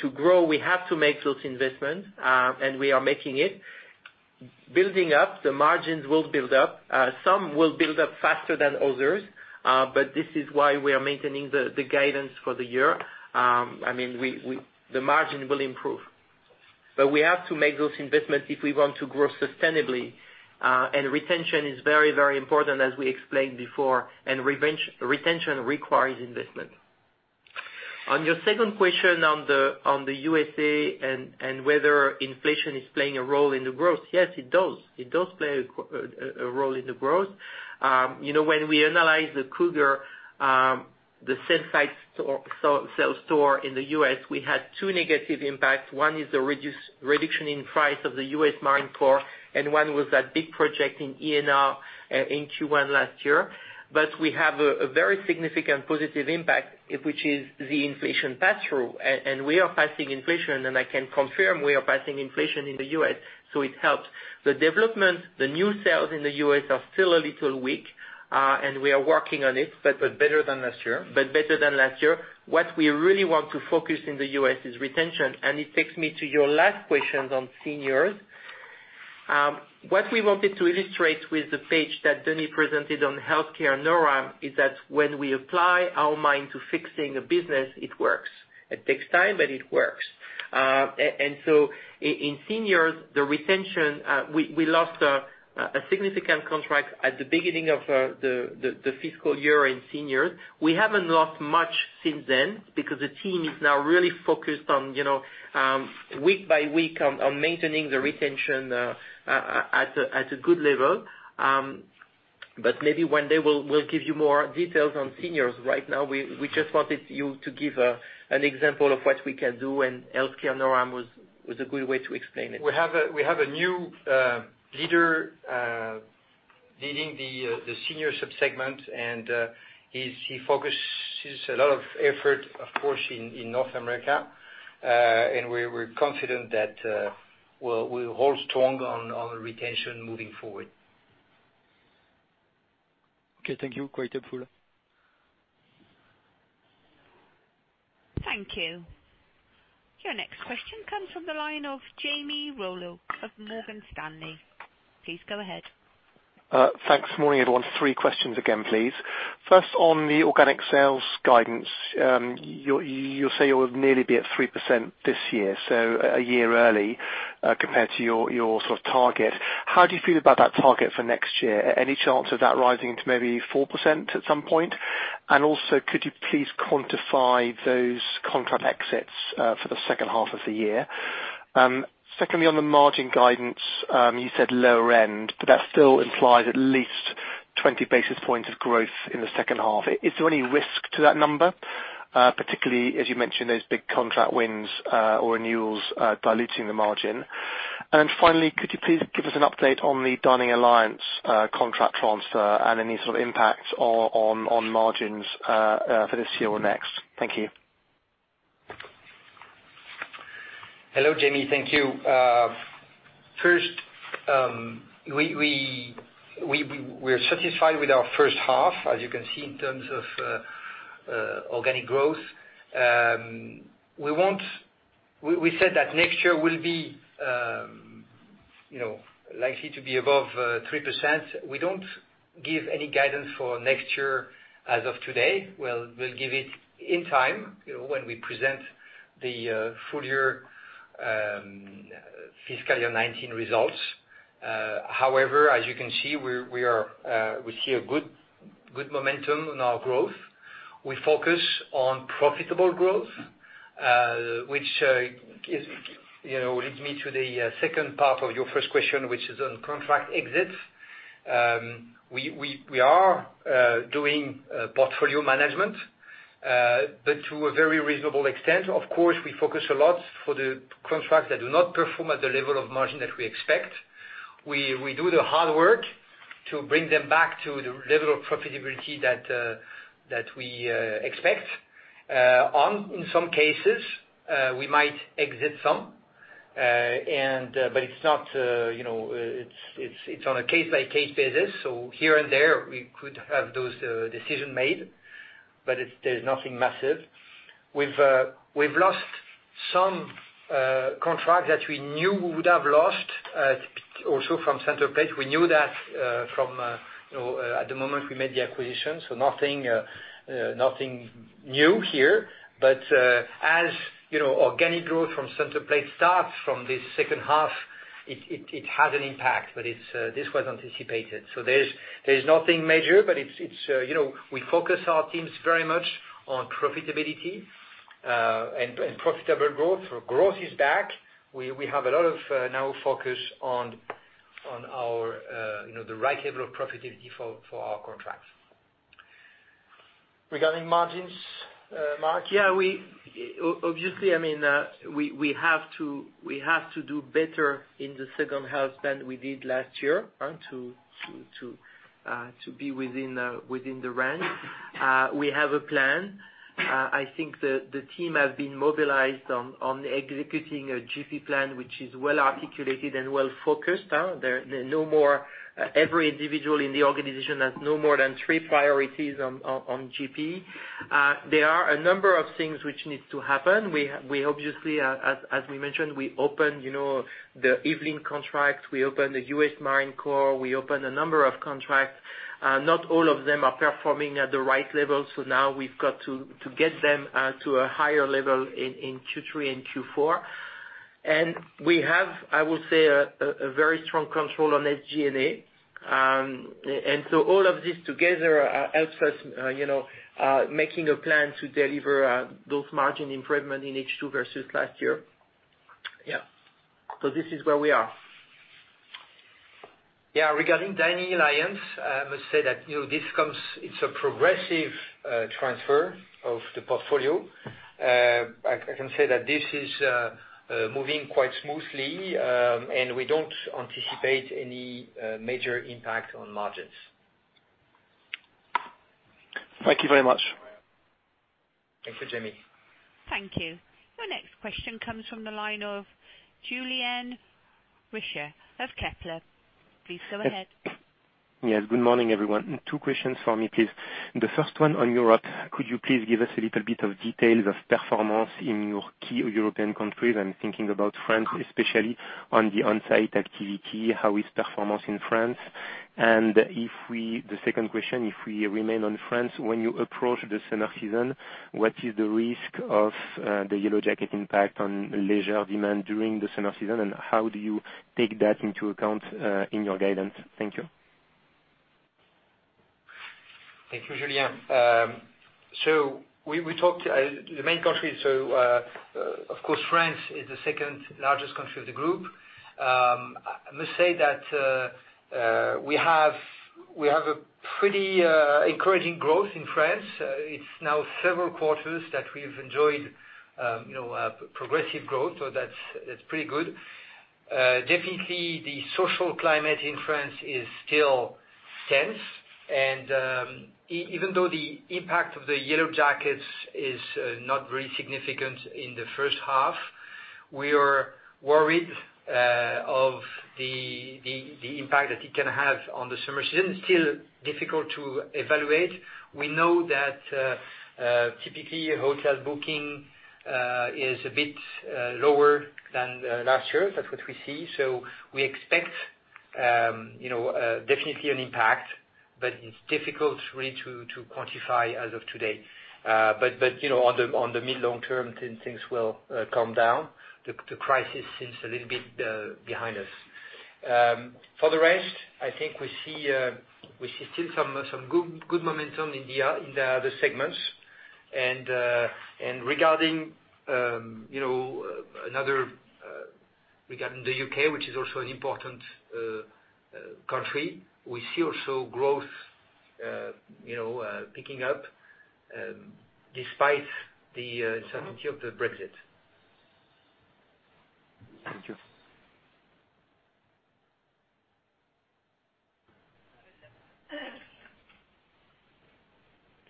to grow, we have to make those investments, we are making it. Building up, the margins will build up. Some will build up faster than others, this is why we are maintaining the guidance for the year. The margin will improve. We have to make those investments if we want to grow sustainably. Retention is very, very important, as we explained before, retention requires investment. On your second question on the USA and whether inflation is playing a role in the growth, yes, it does. It does play a role in the growth. When we analyze the [inaudible] in the U.S., we had two negative impacts. One is the reduction in price of the United States Marine Corps, one was that big project in E&R in Q1 last year. We have a very significant positive impact, which is the inflation pass-through. We are passing inflation, I can confirm we are passing inflation in the U.S., so it helps. The development, the new sales in the U.S. are still a little weak, we are working on it. Better than last year. Better than last year. What we really want to focus in the U.S. is retention. It takes me to your last questions on seniors. What we wanted to illustrate with the page that Denis presented on healthcare in NORAM is that when we apply our mind to fixing a business, it works. It takes time. It works. In seniors, the retention, we lost a significant contract at the beginning of the fiscal year in seniors. We haven't lost much since then because the team is now really focused on week by week on maintaining the retention at a good level. Maybe one day we'll give you more details on seniors. Right now, we just wanted you to give an example of what we can do. Healthcare in NORAM was a good way to explain it. We have a new leader leading the senior sub-segment. He focuses a lot of effort, of course, in North America. We're confident that we'll hold strong on retention moving forward. Okay, thank you. Quite helpful. Thank you. Your next question comes from the line of Jamie Rollo of Morgan Stanley. Please go ahead. Thanks. Morning, everyone. Three questions again, please. First, on the organic sales guidance. You say you'll nearly be at 3% this year, so a year early, compared to your target. How do you feel about that target for next year? Any chance of that rising to maybe 4% at some point? Also, could you please quantify those contract exits for the second half of the year? Secondly, on the margin guidance, you said lower end, but that still implies at least 20 basis points of growth in the second half. Is there any risk to that number? Particularly as you mentioned, those big contract wins or renewals, diluting the margin. Finally, could you please give us an update on the Dining Alliance contract transfer and any sort of impacts on margins for this year or next? Thank you. Hello, Jamie. Thank you. First, we're satisfied with our first half, as you can see, in terms of organic growth. We said that next year we'll be likely to be above 3%. We don't give any guidance for next year as of today. We'll give it in time when we present the full year fiscal year 2019 results. However, as you can see, we see a good momentum in our growth. We focus on profitable growth, which leads me to the second part of your first question, which is on contract exits. We are doing portfolio management, but to a very reasonable extent. Of course, we focus a lot for the contracts that do not perform at the level of margin that we expect. We do the hard work to bring them back to the level of profitability that we expect. In some cases, we might exit some. It's on a case-by-case basis. Here and there, we could have those decision made, but there's nothing massive. We've lost some contracts that we knew we would have lost, also from Centerplate. We knew that at the moment we made the acquisition. Nothing new here. As organic growth from Centerplate starts from this second half, it has an impact, but this was anticipated. There's nothing major, but we focus our teams very much on profitability. Profitable growth. Growth is back. We have a lot of now focus on the right level of profitability for our contracts. Regarding margins, Marc? Yeah. Obviously, we have to do better in the second half than we did last year to be within the range. We have a plan. I think the team has been mobilized on executing a GP plan, which is well articulated and well focused. Every individual in the organization has no more than three priorities on GP. There are a number of things which need to happen. Obviously, as we mentioned, we opened the Yvelines contract, we opened the U.S. Marine Corps, we opened a number of contracts. Not all of them are performing at the right level. Now we've got to get them to a higher level in Q3 and Q4. We have, I would say, a very strong control on SG&A. All of this together helps us making a plan to deliver those margin improvement in H2 versus last year. Yeah. This is where we are. Yeah. Regarding Dining Alliance, I must say that it's a progressive transfer of the portfolio. I can say that this is moving quite smoothly, and we don't anticipate any major impact on margins. Thank you very much. Thank you, Jamie. Thank you. Your next question comes from the line of Julien Richer of Kepler. Please go ahead. Yes, good morning, everyone. Two questions from me, please. The first one on Europe. Could you please give us a little bit of details of performance in your key European countries? I am thinking about France, especially on the onsite activity. How is performance in France? The second question, if we remain on France, when you approach the summer season, what is the risk of the yellow jacket impact on leisure demand during the summer season, and how do you take that into account in your guidance? Thank you. Thank you, Julien. We talked the main countries. Of course, France is the second-largest country of the group. I must say that we have a pretty encouraging growth in France. It is now several quarters that we have enjoyed progressive growth, so that is pretty good. Definitely, the social climate in France is still tense, even though the impact of the yellow jackets is not very significant in the first half, we are worried of the impact that it can have on the summer season. Still difficult to evaluate. We know that typically hotel booking is a bit lower than last year. That is what we see. We expect definitely an impact, but it is difficult really to quantify as of today. On the mid-long term, things will calm down. The crisis seems a little bit behind us. For the rest, I think we see still some good momentum in the other segments. Regarding the U.K., which is also an important country, we see also growth picking up despite the uncertainty of the Brexit. Thank you.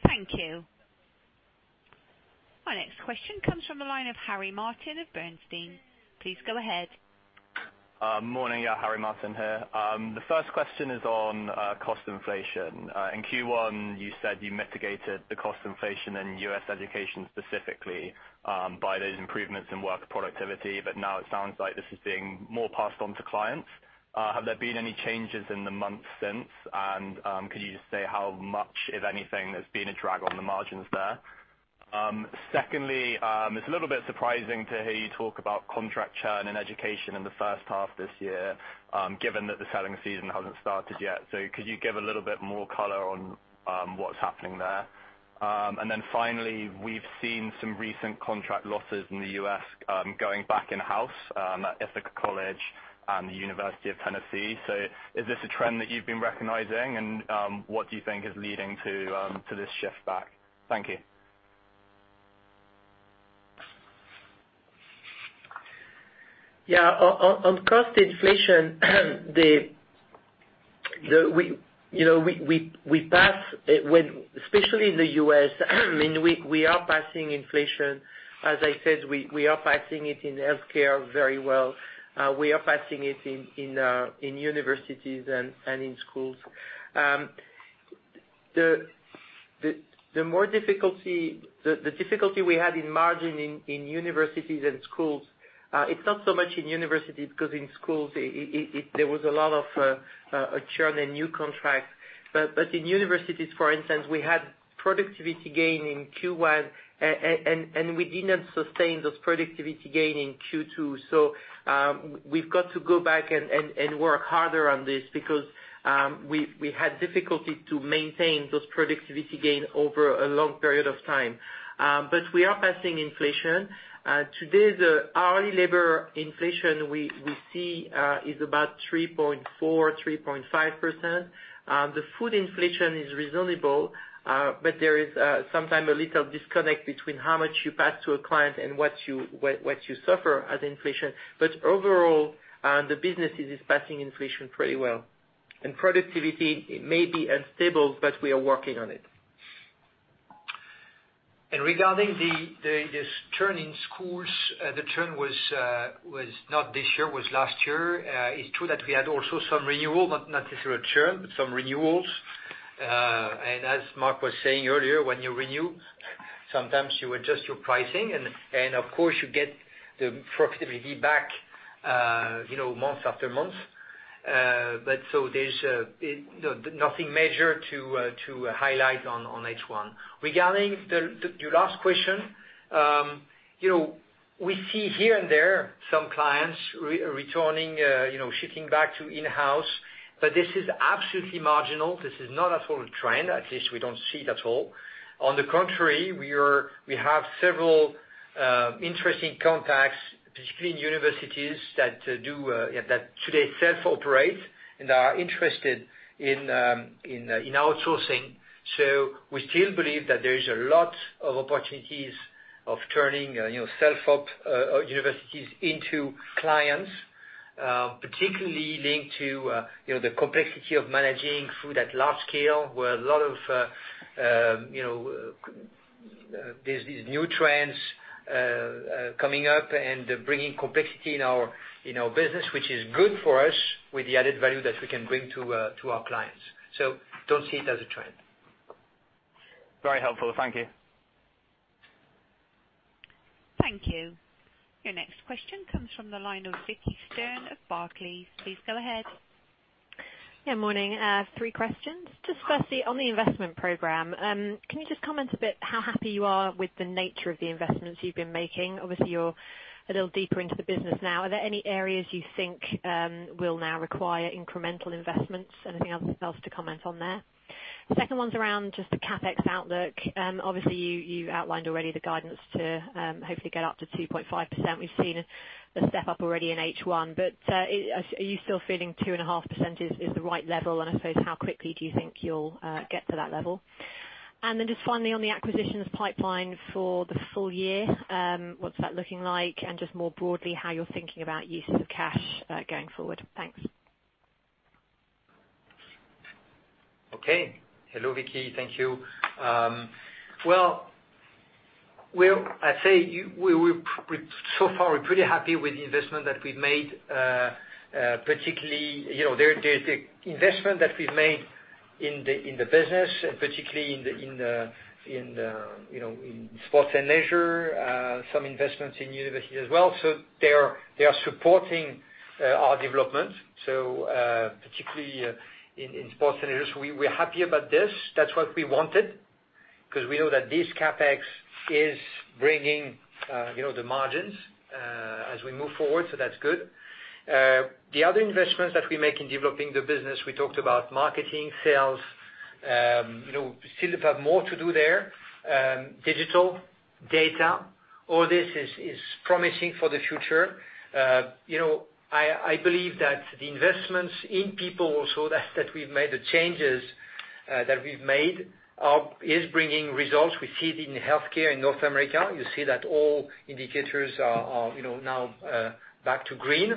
Thank you. Our next question comes from the line of Harry Martin of Bernstein. Please go ahead. Morning. Harry Martin here. The first question is on cost inflation. In Q1, you said you mitigated the cost inflation in U.S. education specifically by those improvements in work productivity, but now it sounds like this is being more passed on to clients. Have there been any changes in the months since? Could you just say how much, if anything, there's been a drag on the margins there? Secondly, it's a little bit surprising to hear you talk about contract churn in education in the first half this year, given that the selling season hasn't started yet. Could you give a little bit more color on what's happening there? Finally, we've seen some recent contract losses in the U.S. going back in-house at Ithaca College and the University of Tennessee. Is this a trend that you've been recognizing? What do you think is leading to this shift back? Thank you. On cost inflation, especially in the U.S., we are passing inflation. As I said, we are passing it in healthcare very well. We are passing it in universities and in schools. The difficulty we had in margin in universities and schools, it's not so much in universities because in schools there was a lot of churn and new contracts. In universities, for instance, we had productivity gain in Q1. We did not sustain those productivity gain in Q2. We've got to go back and work harder on this because we had difficulty to maintain those productivity gain over a long period of time. We are passing inflation. Today, the hourly labor inflation we see is about 3.4%, 3.5%. The food inflation is reasonable, but there is sometimes a little disconnect between how much you pass to a client and what you suffer as inflation. Overall, the business is passing inflation pretty well. Productivity, it may be unstable, but we are working on it. Regarding this churn in schools, the churn was not this year, it was last year. It's true that we had also some renewal, not necessarily churn, but some renewals. As Marc was saying earlier, when you renew, sometimes you adjust your pricing. Of course, you get the productivity back months after months. There's nothing major to highlight on H1. Regarding your last question, we see here and there some clients returning, shifting back to in-house, but this is absolutely marginal. This is not at all a trend. At least we don't see it at all. On the contrary, we have several interesting contacts, particularly in universities that today self-operate and are interested in outsourcing. We still believe that there is a lot of opportunities of turning self-op universities into clients, particularly linked to the complexity of managing food at large scale, where there's these new trends coming up and bringing complexity in our business, which is good for us with the added value that we can bring to our clients. Don't see it as a trend. Very helpful. Thank you. Thank you. Your next question comes from the line of Vicki Stern of Barclays. Please go ahead. Yeah, morning. Three questions. Just firstly, on the investment program, can you just comment a bit how happy you are with the nature of the investments you've been making? Obviously, you're a little deeper into the business now. Are there any areas you think will now require incremental investments? Anything else to comment on there? The second one's around just the CapEx outlook. Obviously, you outlined already the guidance to hopefully get up to 2.5%. We've seen a step up already in H1, but are you still feeling 2.5% is the right level? And I suppose, how quickly do you think you'll get to that level? And then just finally, on the acquisitions pipeline for the full year, what's that looking like? And just more broadly, how you're thinking about uses of cash, going forward. Thanks. Hello, Vicki. Thank you. Well, I'd say so far we're pretty happy with the investment that we've made. Particularly the investment that we've made in the business, and particularly in sports and leisure, some investments in university as well. They are supporting our development, particularly in sports and leisure. We're happy about this. That's what we wanted, because we know that this CapEx is bringing the margins as we move forward. That's good. The other investments that we make in developing the business, we talked about marketing, sales, still have more to do there. Digital, data, all this is promising for the future. I believe that the investments in people also, that we've made, the changes that we've made, is bringing results. We see it in healthcare in North America. You see that all indicators are now back to green,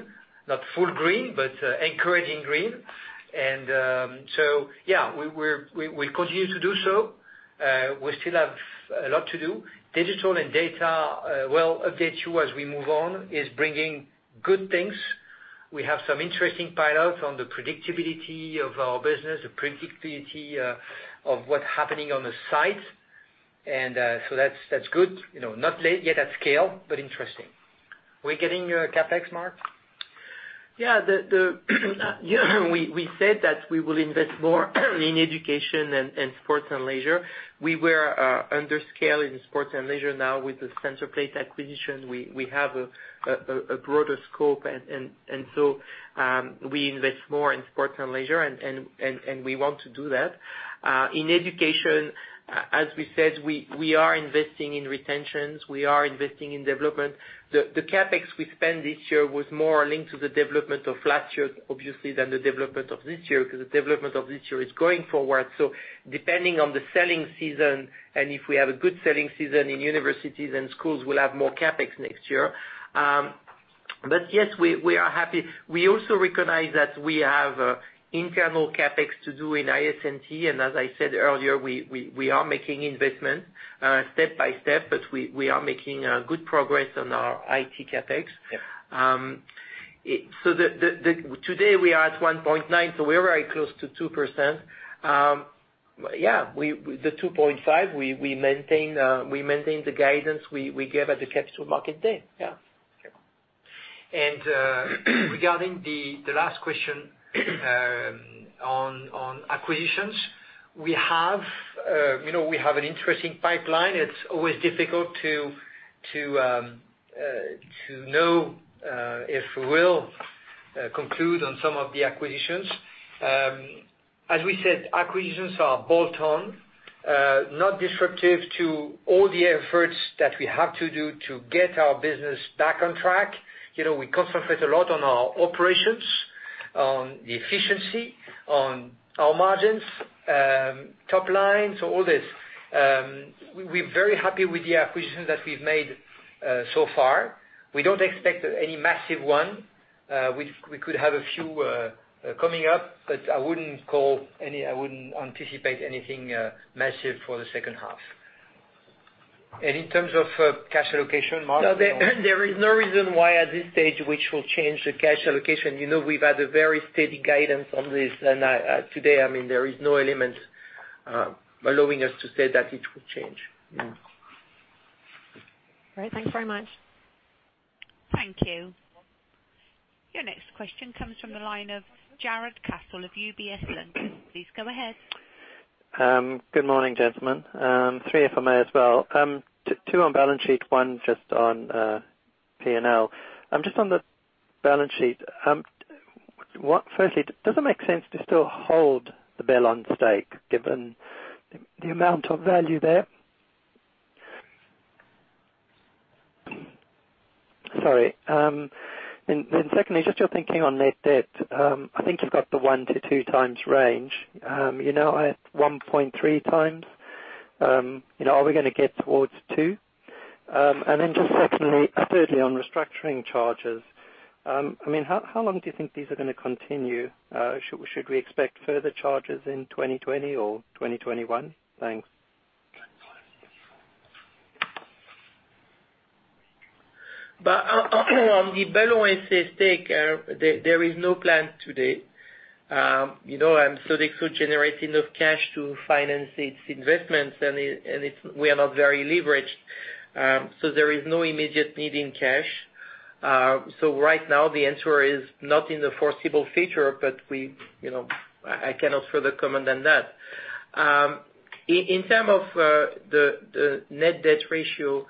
not full green, but encouraging green. Yeah, we continue to do so. We still have a lot to do. Digital and data, we'll update you as we move on, is bringing good things. We have some interesting pilots on the predictability of our business, the predictability of what's happening on the site. That's good. Not yet at scale, but interesting. We're getting your CapEx, Marc? Yeah. We said that we will invest more in education and sports and leisure. We were under scale in sports and leisure. Now with the Centerplate acquisition, we have a broader scope, we invest more in sports and leisure, and we want to do that. In education, as we said, we are investing in retentions. We are investing in development. The CapEx we spent this year was more linked to the development of last year, obviously, than the development of this year, because the development of this year is going forward. Depending on the selling season, and if we have a good selling season in universities and schools, we'll have more CapEx next year. Yes, we are happy. We also recognize that we have internal CapEx to do in IS&T, and as I said earlier, we are making investments step by step, but we are making good progress on our IT CapEx. Yeah. Today we are at 1.9, so we are very close to 2%. Yeah, the 2.5, we maintain the guidance we gave at the Capital Markets Day. Yeah. Regarding the last question on acquisitions, we have an interesting pipeline. It's always difficult to know if we will conclude on some of the acquisitions. As we said, acquisitions are bolt-on, not disruptive to all the efforts that we have to do to get our business back on track. We concentrate a lot on our operations, on the efficiency, on our margins, top line, so all this. We're very happy with the acquisitions that we've made so far. We don't expect any massive one. We could have a few coming up, but I wouldn't anticipate anything massive for the second half. In terms of cash allocation, Marc? No, there is no reason why at this stage, which will change the cash allocation. We've had a very steady guidance on this, today, there is no element allowing us to say that it will change. Yeah. Great. Thanks very much. Thank you. Your next question comes from the line of Jarrod Castle of UBS London. Please go ahead. Good morning, gentlemen. Three, if I may as well. Two on balance sheet, one just on P&L. Just on the balance sheet, firstly, does it make sense to still hold the Bellon stake, given the amount of value there? Sorry. Secondly, just your thinking on net debt. I think you've got the one to two times range. You are now at 1.3 times. Are we going to get towards two? Thirdly, on restructuring charges, how long do you think these are going to continue? Should we expect further charges in 2020 or 2021? Thanks. On the Bellon stake, there is no plan today. Sodexo generates enough cash to finance its investments, we are not very leveraged. There is no immediate need in cash. Right now the answer is not in the foreseeable future, but I cannot further comment on that. In terms of the net debt ratio,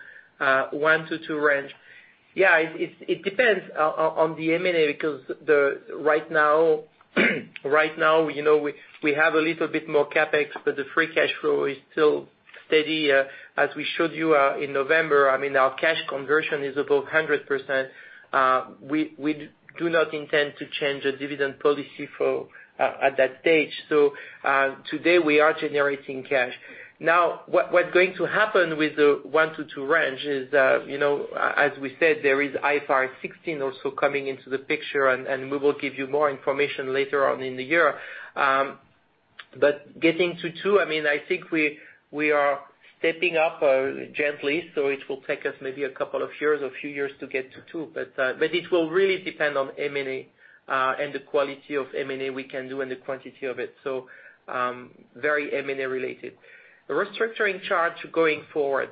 one to two range. It depends on the M&A, right now, we have a little bit more CapEx, the free cash flow is still steady. As we showed you in November, our cash conversion is above 100%. We do not intend to change the dividend policy at that stage. Today we are generating cash. What is going to happen with the one to two range is, as we said, there is IFRS 16 also coming into the picture, we will give you more information later on in the year. Getting to two, I think we are stepping up gently, it will take us maybe a couple of years or a few years to get to two. It will really depend on M&A and the quality of M&A we can do and the quantity of it. Very M&A related. The restructuring charge going forward.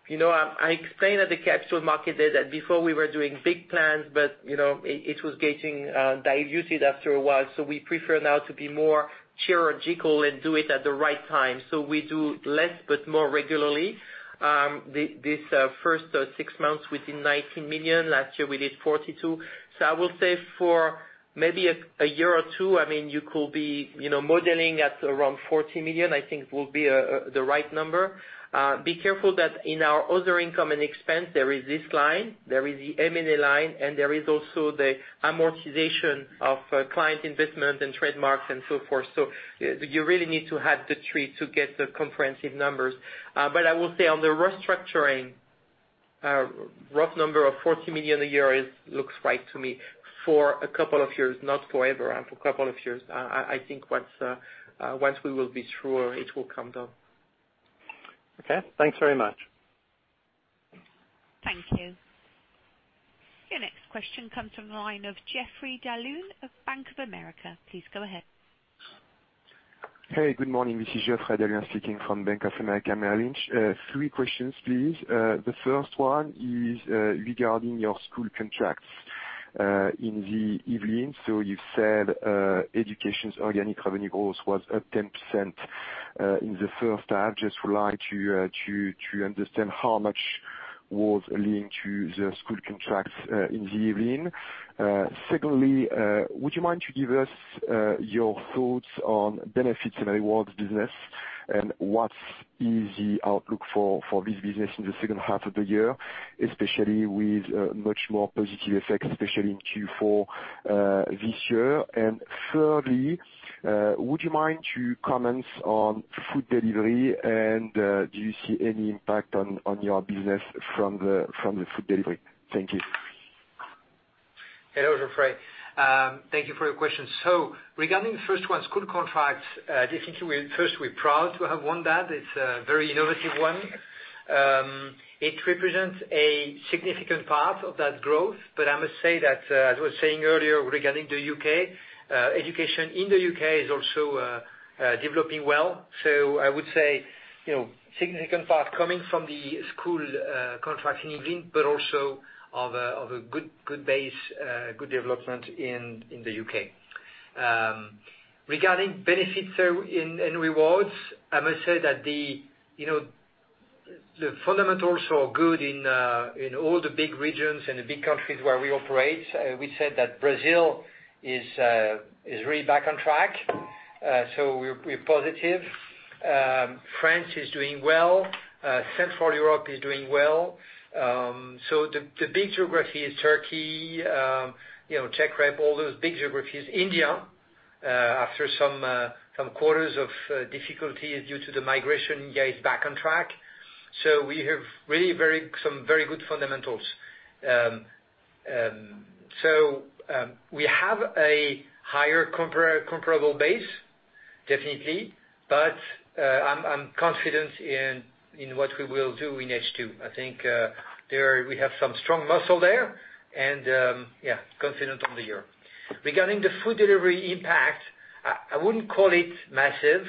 I explained at the Capital Markets Day that before we were doing big plans, it was getting diluted after a while. We prefer now to be more surgical and do it at the right time. We do less, more regularly. This first six months 19 million. Last year, we did 42 million. I will say for maybe a year or two, you could be modeling at around 40 million, I think will be the right number. Be careful that in our other income and expense, there is this line, there is the M&A line, and there is also the amortization of client investment and trademarks and so forth. You really need to have the three to get the comprehensive numbers. I will say on the restructuring, rough number of 40 million a year looks right to me for a couple of years. Not forever, for a couple of years. I think once we will be through, it will come down. Okay. Thanks very much. Thank you. Your next question comes from the line of [Geoffrey Dalous] of Bank of America. Please go ahead. Hey, good morning. This is [Geoffrey D'Alançon] speaking from Bank of America Merrill Lynch. Three questions, please. The first one is regarding your school contracts in the Yvelines. You said education's organic revenue growth was up 10% in the first half. Just would like to understand how much was linked to the school contracts in the Yvelines. Secondly, would you mind to give us your thoughts on Benefits and Rewards business and what is the outlook for this business in the second half of the year, especially with much more positive effects, especially in Q4 this year? Thirdly, would you mind to comment on food delivery, and do you see any impact on your business from the food delivery? Thank you. Hello, [Geoffrey]. Thank you for your question. Regarding the first one, school contracts, definitely, first we're proud to have won that. It's a very innovative one. It represents a significant part of that growth. I must say that, as I was saying earlier regarding the U.K., education in the U.K. is also developing well. I would say, significant part coming from the school contracts in England, but also of a good base, good development in the U.K. Regarding Benefits and Rewards, I must say that the fundamentals are good in all the big regions and the big countries where we operate. We said that Brazil is really back on track. We're positive. France is doing well. Central Europe is doing well. The big geography is Turkey, Czech Rep, all those big geographies. India, after some quarters of difficulty due to the migration, India is back on track. We have really some very good fundamentals. We have a higher comparable base, definitely. I'm confident in what we will do in H2. I think we have some strong muscle there, and confident on the year. Regarding the food delivery impact, I wouldn't call it massive.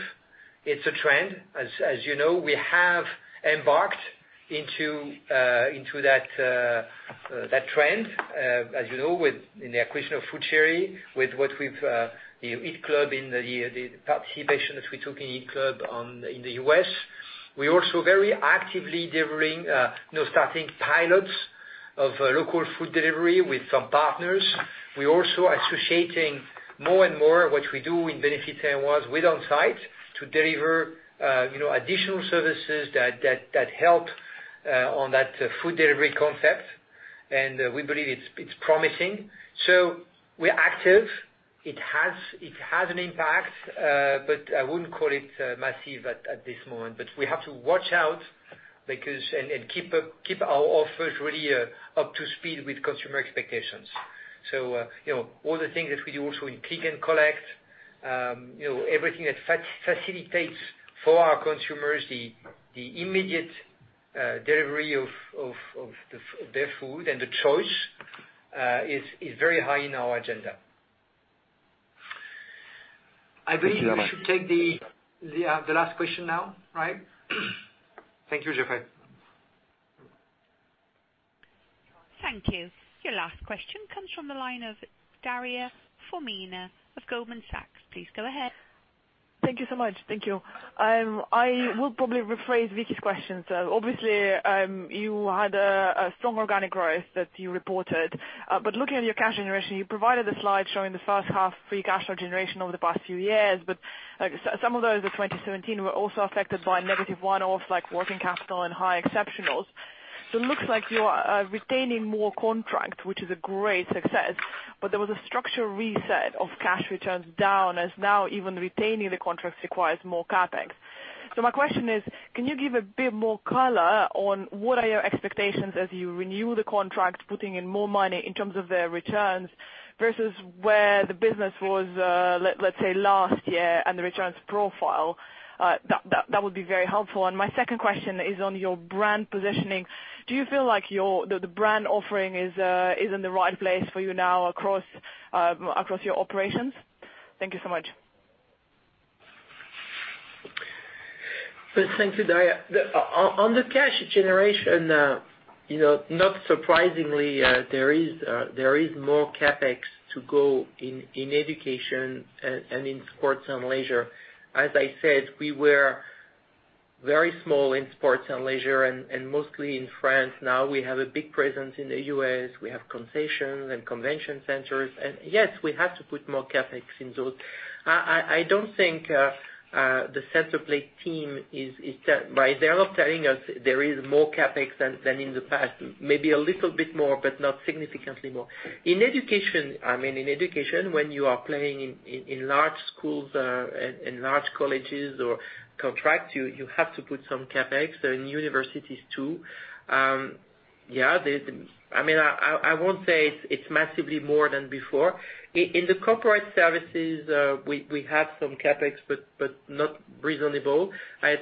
It's a trend. As you know, we have embarked into that trend, as you know, in the acquisition of FoodChéri, with the participation that we took in EAT Club in the U.S. We're also very actively delivering, starting pilots of local food delivery with some partners. We're also associating more and more what we do in Benefits and Rewards with On Site to deliver additional services that help on that food delivery concept. We believe it's promising. We're active. It has an impact, but I wouldn't call it massive at this moment. We have to watch out and keep our offers really up to speed with consumer expectations. All the things that we do also in click and collect, everything that facilitates for our consumers, the immediate delivery of their food and the choice, is very high in our agenda. I believe we should take the last question now, right? Thank you, Geoffrey. Thank you. Your last question comes from the line of Daria Fomina of Goldman Sachs. Please go ahead. Thank you so much. Thank you. I will probably rephrase Vicki's question. Obviously, you had a strong organic growth that you reported. Looking at your cash generation, you provided a slide showing the first half free cash flow generation over the past few years. Some of those in 2017 were also affected by negative one-offs, like working capital and high exceptionals. It looks like you are retaining more contracts, which is a great success. There was a structural reset of cash returns down, as now even retaining the contracts requires more CapEx. My question is, can you give a bit more color on what are your expectations as you renew the contract, putting in more money in terms of the returns versus where the business was, let's say, last year and the returns profile? That would be very helpful. My second question is on your brand positioning. Do you feel like the brand offering is in the right place for you now across your operations? Thank you so much. Thank you, Daria. On the cash generation, not surprisingly, there is more CapEx to go in education and in sports and leisure. As I said, we were very small in sports and leisure, and mostly in France. Now we have a big presence in the U.S. We have concessions and convention centers. Yes, we have to put more CapEx in those. They're not telling us there is more CapEx than in the past, maybe a little bit more, but not significantly more. In education, when you are playing in large schools, in large colleges or contracts, you have to put some CapEx, in universities too. I won't say it's massively more than before. In the corporate services, we have some CapEx, but not reasonable.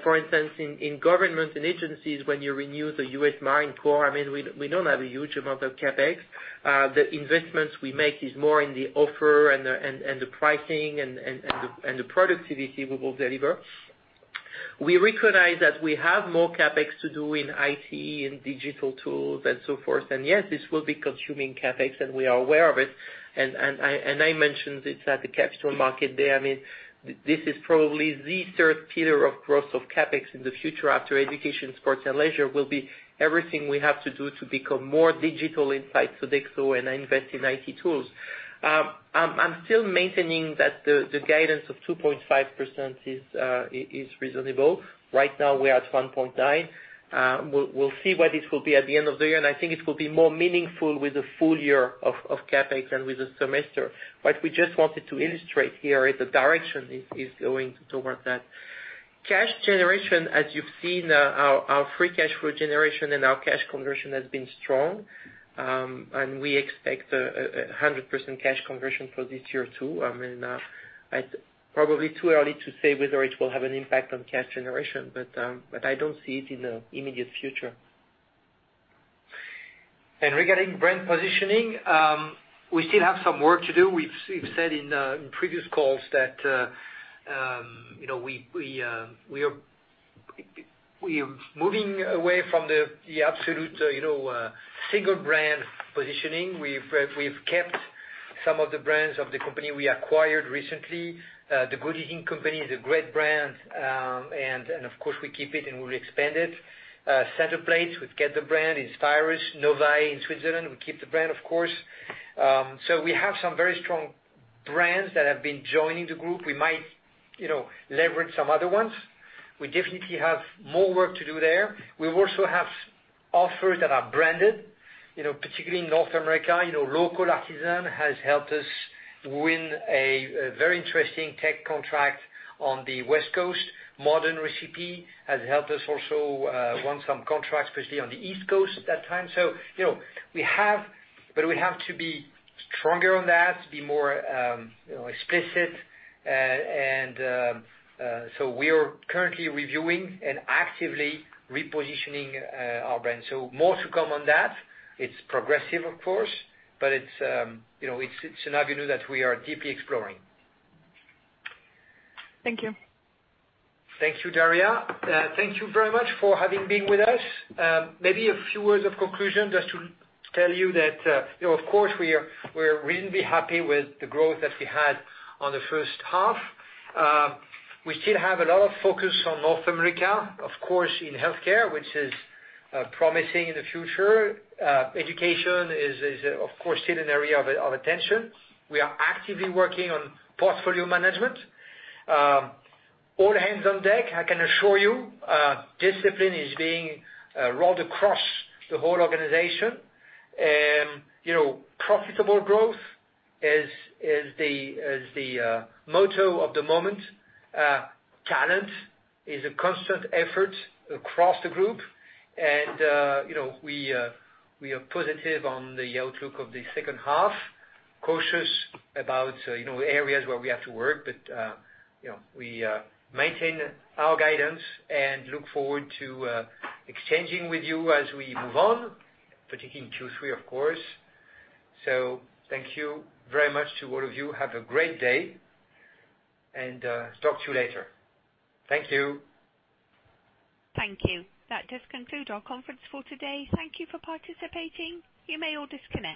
For instance, in government and agencies, when you renew the U.S. Marine Corps, we don't have a huge amount of CapEx. The investments we make is more in the offer and the pricing and the productivity we will deliver. We recognize that we have more CapEx to do in IT and digital tools and so forth. Yes, this will be consuming CapEx, and we are aware of it. I mentioned this at the Capital Markets Day. This is probably the third pillar of growth of CapEx in the future after education, sports and leisure will be everything we have to do to become more digital in Sodexo, and I invest in IT tools. I'm still maintaining that the guidance of 2.5% is reasonable. Right now, we are at 1.9%. We'll see where this will be at the end of the year, and I think it will be more meaningful with a full year of CapEx than with a semester. We just wanted to illustrate here the direction is going towards that. Cash generation, as you've seen, our free cash flow generation and our cash conversion has been strong. We expect 100% cash conversion for this year, too. It's probably too early to say whether it will have an impact on cash generation, but I don't see it in the immediate future. Regarding brand positioning, we still have some work to do. We've said in previous calls that we are moving away from the absolute single brand positioning. We've kept some of the brands of the company we acquired recently. The Good Eating Company is a great brand, and of course we keep it, and we'll expand it. Centerplate, we've kept the brand. Inspirus, Novae Restauration in Switzerland, we keep the brand, of course. We have some very strong brands that have been joining the group. We might leverage some other ones. We definitely have more work to do there. We also have offers that are branded, particularly in North America. Local Artisan has helped us win a very interesting tech contract on the West Coast. Modern Recipe has helped us also won some contracts, especially on the East Coast at that time. We have to be stronger on that to be more explicit. We are currently reviewing and actively repositioning our brand. More to come on that. It's progressive, of course, but it's an avenue that we are deeply exploring. Thank you. Thank you, Daria. Thank you very much for having been with us. Maybe a few words of conclusion just to tell you that, of course, we are reasonably happy with the growth that we had on the first half. We still have a lot of focus on North America, of course, in healthcare, which is promising in the future. Education is, of course, still an area of attention. We are actively working on portfolio management. All hands on deck, I can assure you. Discipline is being rolled across the whole organization. Profitable growth is the motto of the moment. Talent is a constant effort across the group. We are positive on the outlook of the second half, cautious about areas where we have to work. We maintain our guidance and look forward to exchanging with you as we move on, particularly in Q3, of course. Thank you very much to all of you. Have a great day, and talk to you later. Thank you. Thank you. That does conclude our conference for today. Thank you for participating. You may all disconnect.